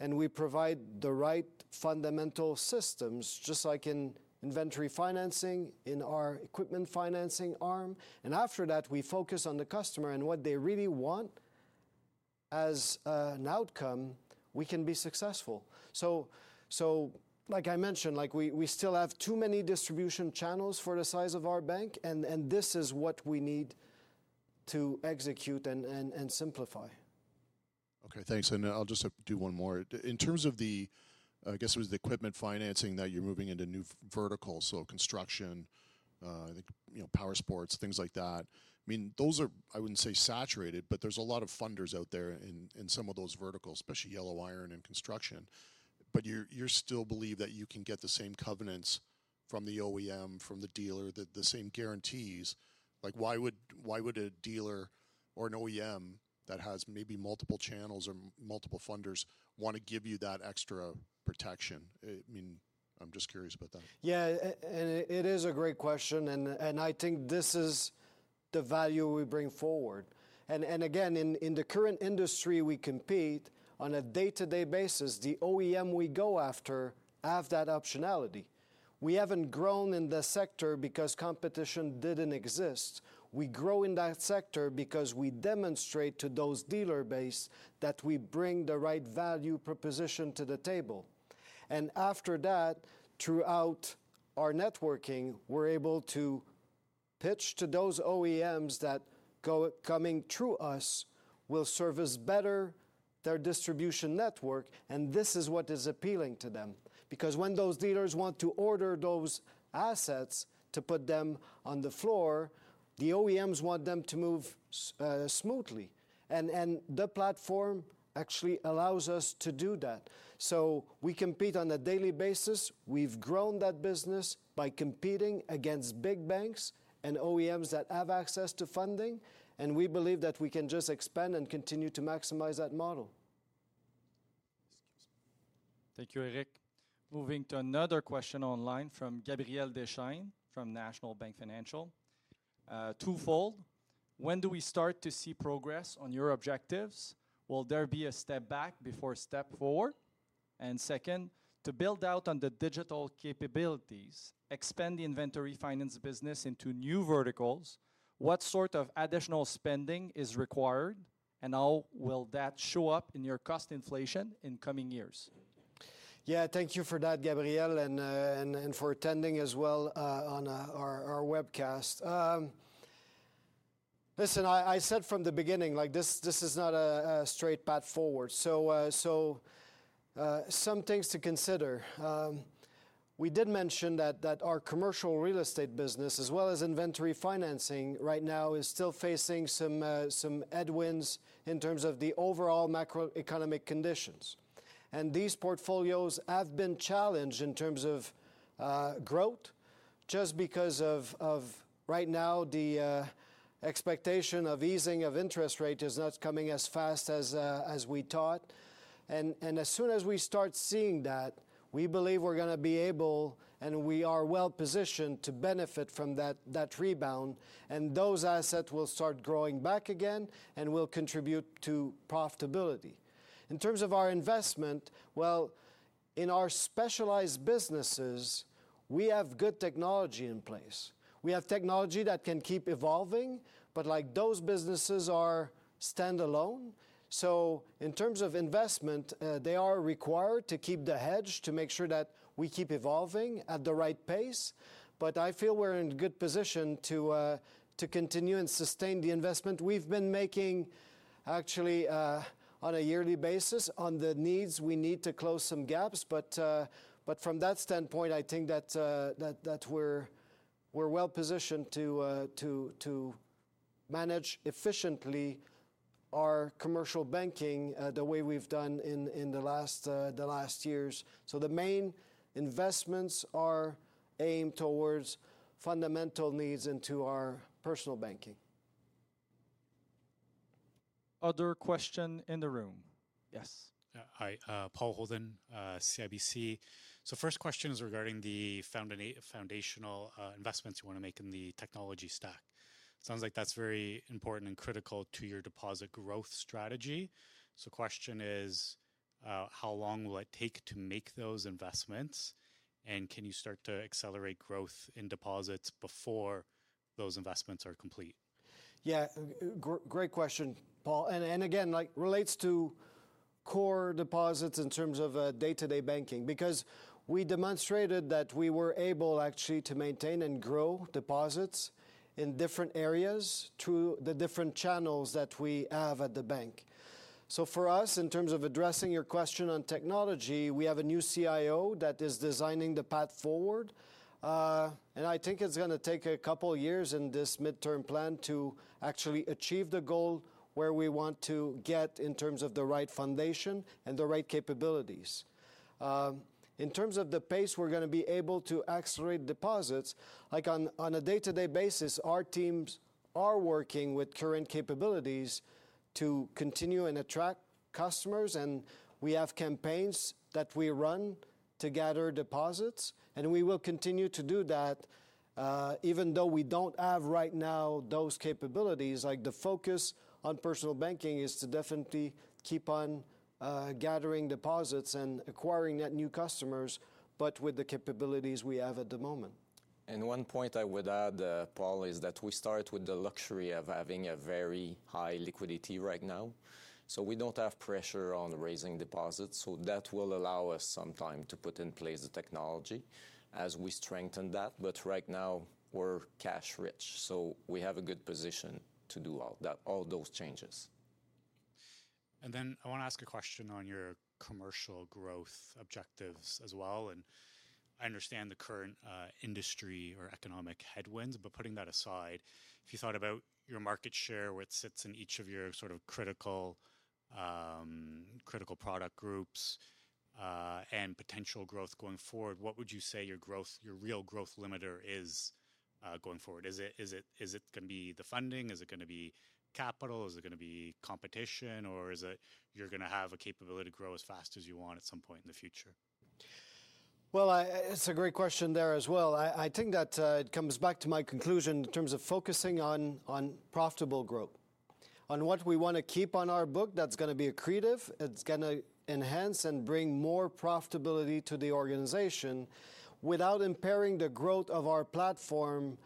and we provide the right fundamental systems, just like in inventory financing, in our equipment financing arm, and after that, we focus on the customer and what they really want as an outcome, we can be successful. So like I mentioned, like we still have too many distribution channels for the size of our bank, and this is what we need to execute and simplify. Okay, thanks. I'll just do one more. In terms of the, I guess it was the equipment financing that you're moving into new verticals, so construction, I think, you know, powersports, things like that. I mean, those are, I wouldn't say saturated, but there's a lot of funders out there in, in some of those verticals, especially yellow iron and construction. But you, you still believe that you can get the same covenants from the OEM, from the dealer, the, the same guarantees. Like, why would, why would a dealer or an OEM that has maybe multiple channels or multiple funders wanna give you that extra protection? I mean, I'm just curious about that. Yeah, and it is a great question, and I think this is the value we bring forward. And again, in the current industry, we compete on a day-to-day basis. The OEM we go after have that optionality. We haven't grown in the sector because competition didn't exist. We grow in that sector because we demonstrate to those dealer base that we bring the right value proposition to the table. And after that, throughout our networking, we're able to pitch to those OEMs that go, coming through us will service better their distribution network, and this is what is appealing to them. Because when those dealers want to order those assets to put them on the floor, the OEMs want them to move smoothly. And the platform actually allows us to do that. So we compete on a daily basis. We've grown that business by competing against big banks and OEMs that have access to funding, and we believe that we can just expand and continue to maximize that model. Thank you, Eric. Moving to another question online from Gabriel Dechaine, from National Bank Financial. Twofold: When do we start to see progress on your objectives? Will there be a step back before step forward? And second, to build out on the digital capabilities, expand the inventory finance business into new verticals, what sort of additional spending is required, and how will that show up in your cost inflation in coming years? Yeah, thank you for that, Gabriel, and for attending as well on our webcast. Listen, I said from the beginning, like, this is not a straight path forward. So, some things to consider. We did mention that our commercial real estate business, as well as inventory financing right now, is still facing some headwinds in terms of the overall macroeconomic conditions. And these portfolios have been challenged in terms of growth, just because of right now the expectation of easing of interest rate is not coming as fast as we thought. As soon as we start seeing that, we believe we're gonna be able, and we are well positioned to benefit from that, that rebound, and those assets will start growing back again and will contribute to profitability. In terms of our investment, well, in our specialized businesses, we have good technology in place. We have technology that can keep evolving, but, like, those businesses are standalone. So in terms of investment, they are required to keep the edge, to make sure that we keep evolving at the right pace. But I feel we're in a good position to continue and sustain the investment we've been making, actually, on a yearly basis on the needs. We need to close some gaps, but from that standpoint, I think that we're well positioned to manage efficiently our commercial banking the way we've done in the last years. So the main investments are aimed towards fundamental needs into our personal banking. Other question in the room? Yes. Hi, Paul Holden, CIBC. So first question is regarding the foundational investments you wanna make in the technology stack. Sounds like that's very important and critical to your deposit growth strategy. So question is: How long will it take to make those investments, and can you start to accelerate growth in deposits before those investments are complete? Yeah, great question, Paul, and, and again, like, relates to core deposits in terms of day-to-day banking, because we demonstrated that we were able, actually, to maintain and grow deposits in different areas through the different channels that we have at the bank. So for us, in terms of addressing your question on technology, we have a new CIO that is designing the path forward. And I think it's gonna take a couple of years in this midterm plan to actually achieve the goal where we want to get in terms of the right foundation and the right capabilities. In terms of the pace we're gonna be able to accelerate deposits, like on a day-to-day basis, our teams are working with current capabilities to continue and attract customers, and we have campaigns that we run to gather deposits, and we will continue to do that, even though we don't have, right now, those capabilities. Like, the focus on personal banking is to definitely keep on gathering deposits and acquiring net new customers, but with the capabilities we have at the moment. One point I would add, Paul, is that we start with the luxury of having a very high liquidity right now, so we don't have pressure on raising deposits, so that will allow us some time to put in place the technology as we strengthen that. But right now, we're cash rich, so we have a good position to do all that, all those changes. Then I want to ask a question on your commercial growth objectives as well, and I understand the current industry or economic headwinds, but putting that aside, if you thought about your market share, where it sits in each of your sort of critical product groups, and potential growth going forward, what would you say your real growth limiter is going forward? Is it gonna be the funding? Is it gonna be capital? Is it gonna be competition, or is it you're gonna have a capability to grow as fast as you want at some point in the future? Well, it's a great question there as well. I think that it comes back to my conclusion in terms of focusing on profitable growth, on what we wanna keep on our book that's gonna be accretive, it's gonna enhance and bring more profitability to the organization without impairing the growth of our platform.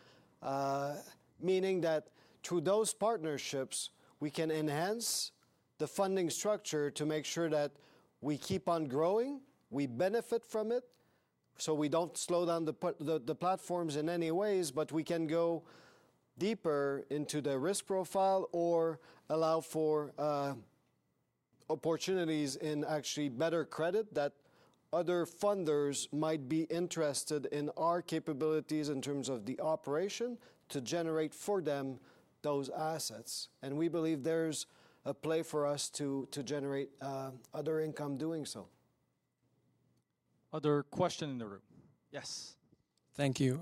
Meaning that through those partnerships, we can enhance the funding structure to make sure that we keep on growing, we benefit from it, so we don't slow down the platforms in any ways, but we can go deeper into the risk profile or allow for opportunities in actually better credit that other funders might be interested in our capabilities in terms of the operation to generate for them those assets. And we believe there's a play for us to generate other income doing so. Other question in the room? Yes. Thank you.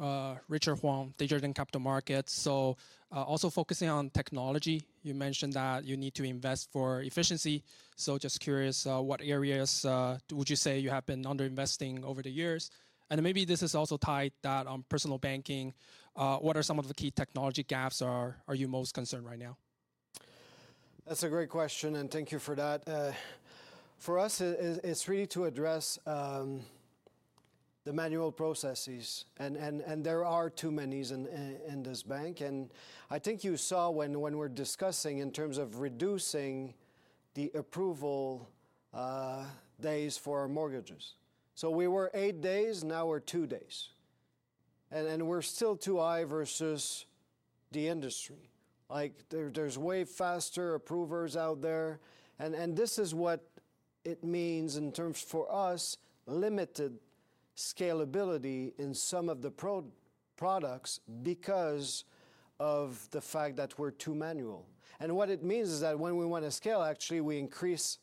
Richard Huang, TD Securities. So, also focusing on technology, you mentioned that you need to invest for efficiency. So just curious, what areas would you say you have been underinvesting over the years? And maybe this is also tied that on personal banking, what are some of the key technology gaps you are most concerned right now? That's a great question, and thank you for that. For us, it's really to address the manual processes, and there are too many in this bank. I think you saw when we're discussing in terms of reducing the approval days for mortgages. So we were 8 days, now we're 2 days. We're still too high versus the industry. Like, there's way faster approvers out there, and this is what it means in terms for us, limited scalability in some of the products because of the fact that we're too manual. What it means is that when we wanna scale, actually, we increase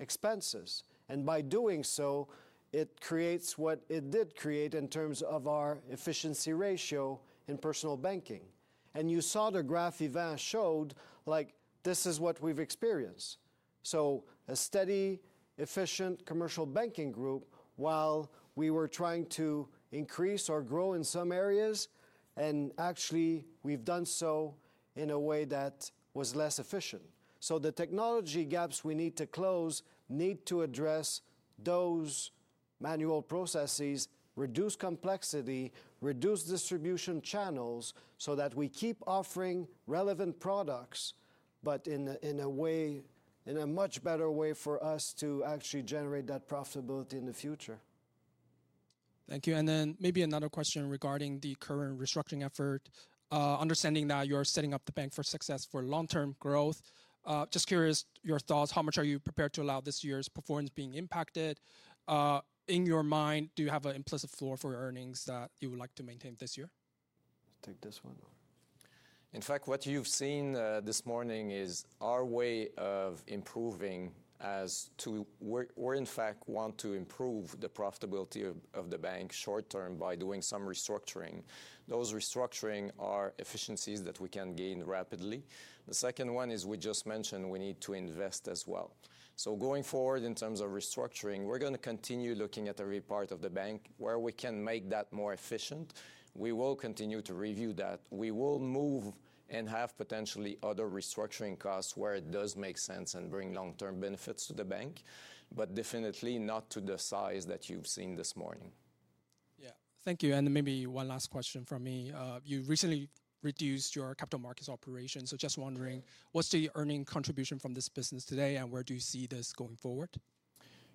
expenses, and by doing so, it creates what it did create in terms of our efficiency ratio in personal banking. You saw the graph Yvan showed, like, this is what we've experienced. So a steady, efficient commercial banking group while we were trying to increase or grow in some areas, and actually we've done so in a way that was less efficient. So the technology gaps we need to close need to address those manual processes, reduce complexity, reduce distribution channels, so that we keep offering relevant products, but in a, in a way- in a much better way for us to actually generate that profitability in the future. Thank you. And then maybe another question regarding the current restructuring effort. Understanding that you are setting up the bank for success for long-term growth, just curious your thoughts, how much are you prepared to allow this year's performance being impacted? In your mind, do you have an implicit floor for earnings that you would like to maintain this year? Take this one. In fact, what you've seen this morning is our way of improving. We're in fact want to improve the profitability of the bank short term by doing some restructuring. Those restructuring are efficiencies that we can gain rapidly. The second one is we just mentioned we need to invest as well. So going forward, in terms of restructuring, we're gonna continue looking at every part of the bank where we can make that more efficient. We will continue to review that. We will move and have potentially other restructuring costs where it does make sense and bring long-term benefits to the bank, but definitely not to the size that you've seen this morning. Yeah. Thank you, and maybe one last question from me. You recently reduced your capital markets operations, so just wondering, what's the earning contribution from this business today, and where do you see this going forward?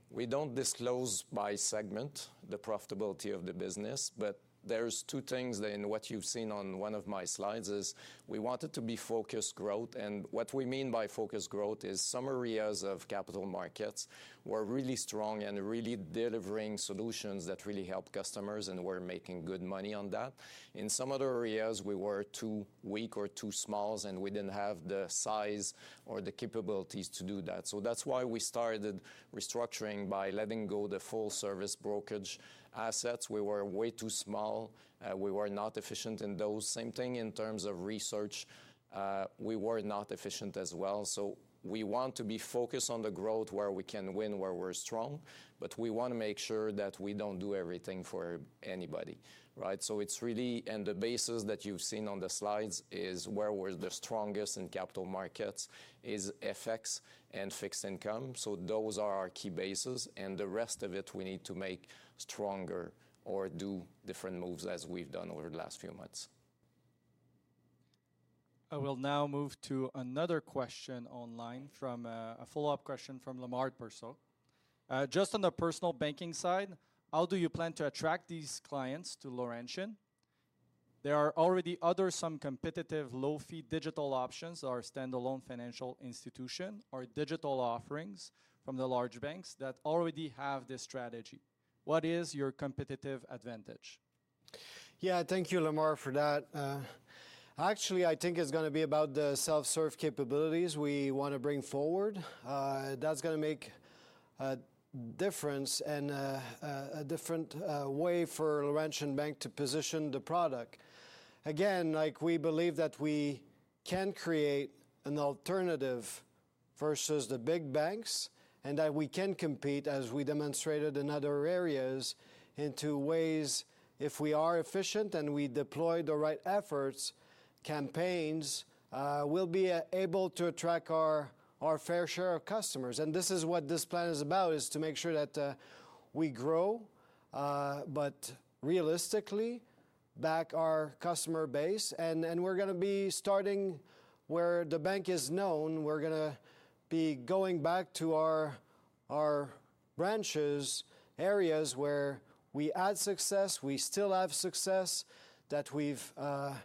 We don't disclose by segment the profitability of the business, but there's two things in what you've seen on one of my slides, is we want it to be focused growth. And what we mean by focused growth is some areas of capital markets were really strong and really delivering solutions that really help customers, and we're making good money on that. In some other areas, we were too weak or too small, and we didn't have the size or the capabilities to do that. So that's why we started restructuring by letting go the full service brokerage assets. We were way too small, we were not efficient in those. Same thing in terms of research, we were not efficient as well. So we want to be focused on the growth where we can win, where we're strong, but we wanna make sure that we don't do everything for anybody, right? So it's really... And the bases that you've seen on the slides is where we're the strongest in capital markets is FX and fixed income. So those are our key bases, and the rest of it, we need to make stronger or do different moves as we've done over the last few months. I will now move to another question online from, a follow-up question from Lemar Persaud. Just on the personal banking side, how do you plan to attract these clients to Laurentian? There are already other some competitive low-fee digital options or standalone financial institution or digital offerings from the large banks that already have this strategy. What is your competitive advantage? Yeah, thank you, Lemar, for that. Actually, I think it's gonna be about the self-serve capabilities we wanna bring forward. That's gonna make a difference and a different way for Laurentian Bank to position the product. Again, like, we believe that we can create an alternative versus the big banks, and that we can compete, as we demonstrated in other areas, into ways if we are efficient and we deploy the right efforts, campaigns, we'll be able to attract our fair share of customers. And this is what this plan is about, is to make sure that we grow but realistically back our customer base, and we're gonna be starting where the bank is known. We're gonna be going back to our, our branches, areas where we had success, we still have success, that we've strived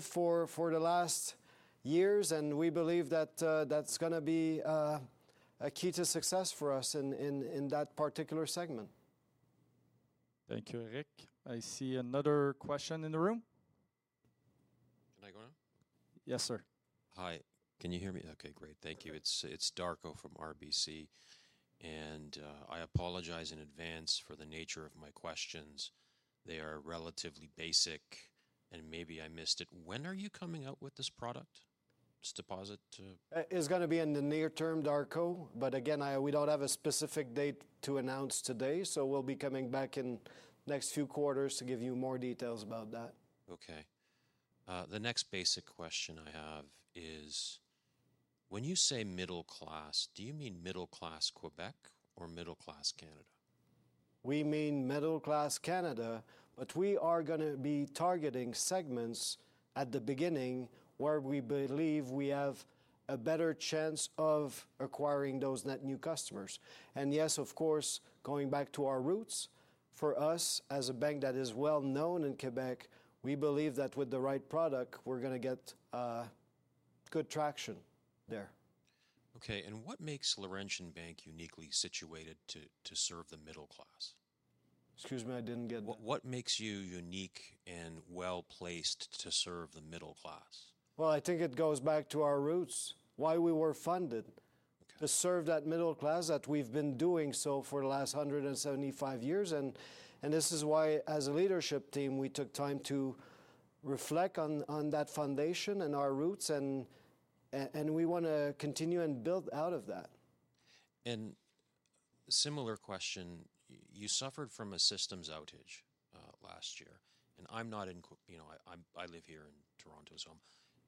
for, for the last years, and we believe that that's gonna be a key to success for us in, in, in that particular segment. Thank you, Eric. I see another question in the room. Can I go now? Yes, sir. Hi. Can you hear me? Okay, great. Thank you. Okay. It's Darko from RBC, and I apologize in advance for the nature of my questions. They are relatively basic, and maybe I missed it. When are you coming out with this product? This deposit to- It's gonna be in the near term, Darko, but again, we don't have a specific date to announce today, so we'll be coming back in next few quarters to give you more details about that. Okay. The next basic question I have is: when you say middle class, do you mean middle class Quebec or middle class Canada? We mean middle class Canada, but we are gonna be targeting segments at the beginning where we believe we have a better chance of acquiring those net new customers. And yes, of course, going back to our roots, for us as a bank that is well known in Quebec, we believe that with the right product, we're gonna get good traction there. Okay, and what makes Laurentian Bank uniquely situated to serve the middle class? Excuse me, I didn't get that. What, what makes you unique and well-placed to serve the middle class? Well, I think it goes back to our roots, why we were funded- Okay... to serve that middle class, that we've been doing so for the last 175 years. And this is why, as a leadership team, we took time to reflect on that foundation and our roots, and we wanna continue and build out of that. Similar question, you suffered from a systems outage last year, and I'm not in Quebec, you know, I live here in Toronto, so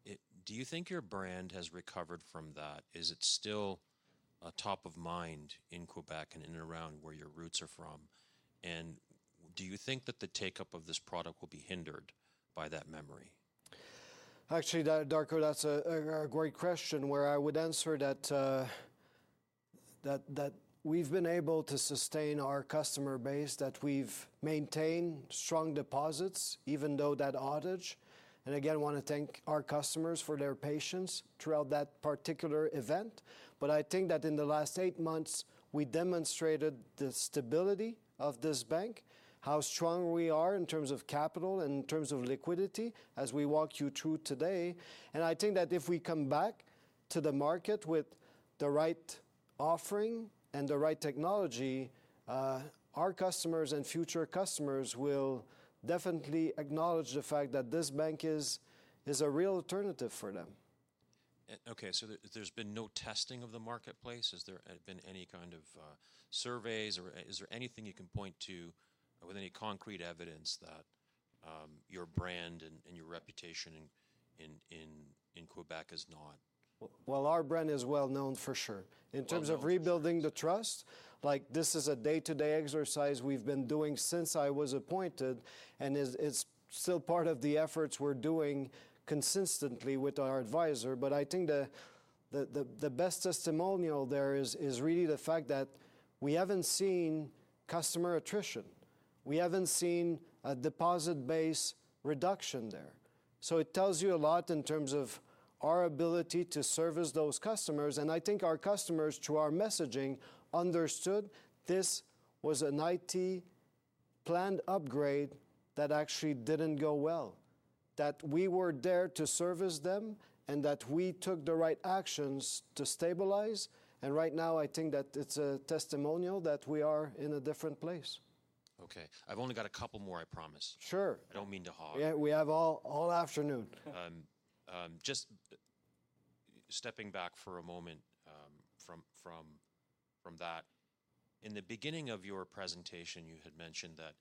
it. Do you think your brand has recovered from that? Is it still top of mind in Quebec and in and around where your roots are from? And do you think that the take-up of this product will be hindered by that memory? Actually, Darko, that's a great question, where I would answer that we've been able to sustain our customer base, that we've maintained strong deposits even though that outage, and again, I wanna thank our customers for their patience throughout that particular event. But I think that in the last eight months, we demonstrated the stability of this bank, how strong we are in terms of capital and in terms of liquidity, as we walked you through today. And I think that if we come back to the market with the right offering and the right technology, our customers and future customers will definitely acknowledge the fact that this bank is a real alternative for them. Okay, so there's been no testing of the marketplace? Has there been any kind of surveys or is there anything you can point to with any concrete evidence that your brand and your reputation in Quebec is not? Well, well, our brand is well known for sure. Well known. In terms of rebuilding the trust, like, this is a day-to-day exercise we've been doing since I was appointed, and it's still part of the efforts we're doing consistently with our advisor. But I think the best testimonial there is really the fact that we haven't seen customer attrition. We haven't seen a deposit base reduction there. So it tells you a lot in terms of our ability to service those customers, and I think our customers, through our messaging, understood this was an IT planned upgrade that actually didn't go well, that we were there to service them, and that we took the right actions to stabilize. And right now, I think that it's a testimonial that we are in a different place. Okay. I've only got a couple more, I promise. Sure. I don't mean to hog. Yeah, we have all afternoon. Just stepping back for a moment, from that, in the beginning of your presentation, you had mentioned that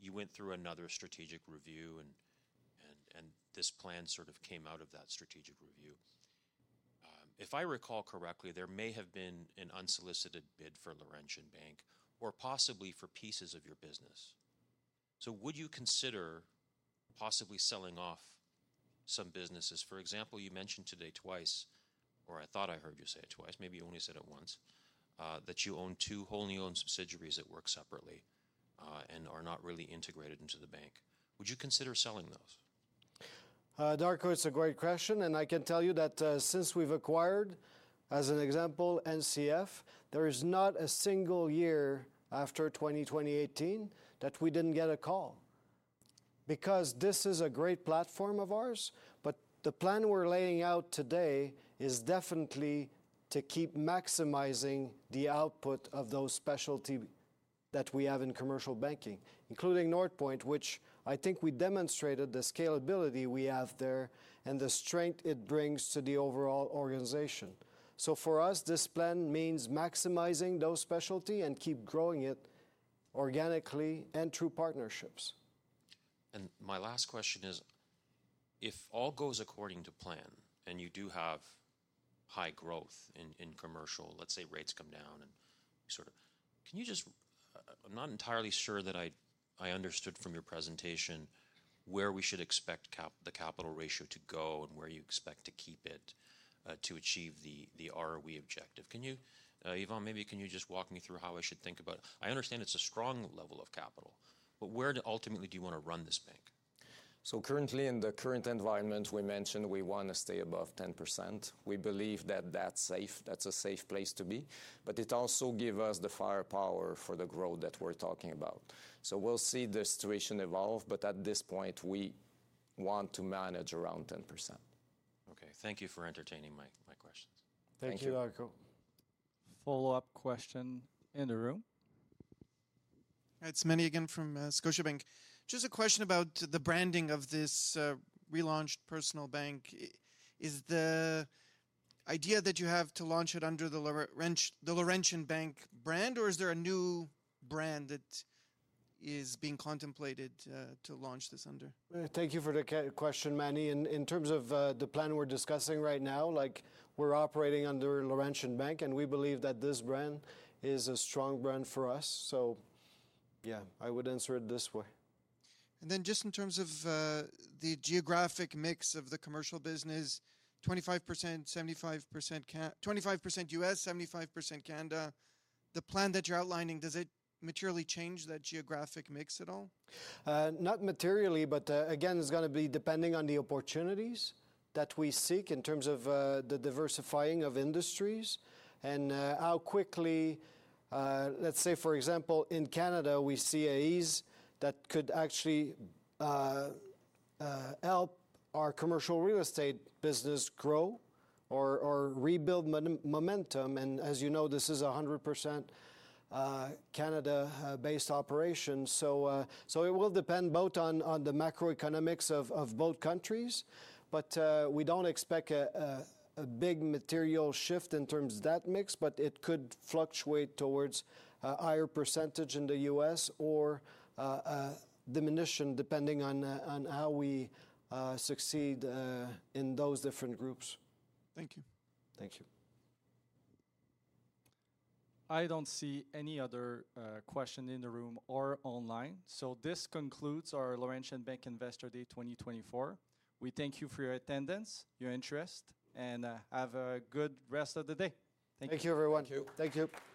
you went through another strategic review, and this plan sort of came out of that strategic review. If I recall correctly, there may have been an unsolicited bid for Laurentian Bank or possibly for pieces of your business. So would you consider possibly selling off some businesses? For example, you mentioned today twice, or I thought I heard you say it twice, maybe you only said it once, that you own two wholly-owned subsidiaries that work separately, and are not really integrated into the bank. Would you consider selling those? Darko, it's a great question, and I can tell you that, since we've acquired, as an example, NCF, there is not a single year after 2018 that we didn't get a call. Because this is a great platform of ours, but the plan we're laying out today is definitely to keep maximizing the output of those specialty that we have in commercial banking, including Northpoint, which I think we demonstrated the scalability we have there and the strength it brings to the overall organization. So for us, this plan means maximizing those specialty and keep growing it organically and through partnerships. My last question is if all goes according to plan, and you do have high growth in commercial, let's say rates come down and sort of. Can you just, I'm not entirely sure that I understood from your presentation where we should expect the capital ratio to go and where you expect to keep it to achieve the ROE objective. Can you, Yvan, maybe can you just walk me through how I should think about. I understand it's a strong level of capital, but where ultimately do you wanna run this bank? Currently, in the current environment, we mentioned we wanna stay above 10%. We believe that that's safe, that's a safe place to be, but it also give us the firepower for the growth that we're talking about. We'll see the situation evolve, but at this point, we want to manage around 10%. Okay. Thank you for entertaining my, my questions. Thank you. Thank you, Darko. Follow-up question in the room. It's Manny again from Scotiabank. Just a question about the branding of this relaunched personal bank. Is the idea that you have to launch it under the Laurentian Bank brand, or is there a new brand that is being contemplated to launch this under? Thank you for the question, Manny. In terms of the plan we're discussing right now, like, we're operating under Laurentian Bank, and we believe that this brand is a strong brand for us. So yeah, I would answer it this way. Then just in terms of the geographic mix of the commercial business, 25%, 75% Can- 25% U.S., 75% Canada. The plan that you're outlining, does it materially change that geographic mix at all? Not materially, but again, it's gonna be depending on the opportunities that we seek in terms of the diversifying of industries and how quickly. Let's say, for example, in Canada, we see a ease that could actually help our commercial real estate business grow or rebuild momentum. And as you know, this is 100% Canada-based operation. So, so it will depend both on the macroeconomics of both countries, but we don't expect a big material shift in terms of that mix, but it could fluctuate towards a higher percentage in the U.S. or a diminution, depending on how we succeed in those different groups. Thank you. Thank you. I don't see any other question in the room or online. So this concludes our Laurentian Bank Investor Day 2024. We thank you for your attendance, your interest, and have a good rest of the day. Thank you. Thank you, everyone. Thank you. Thank you.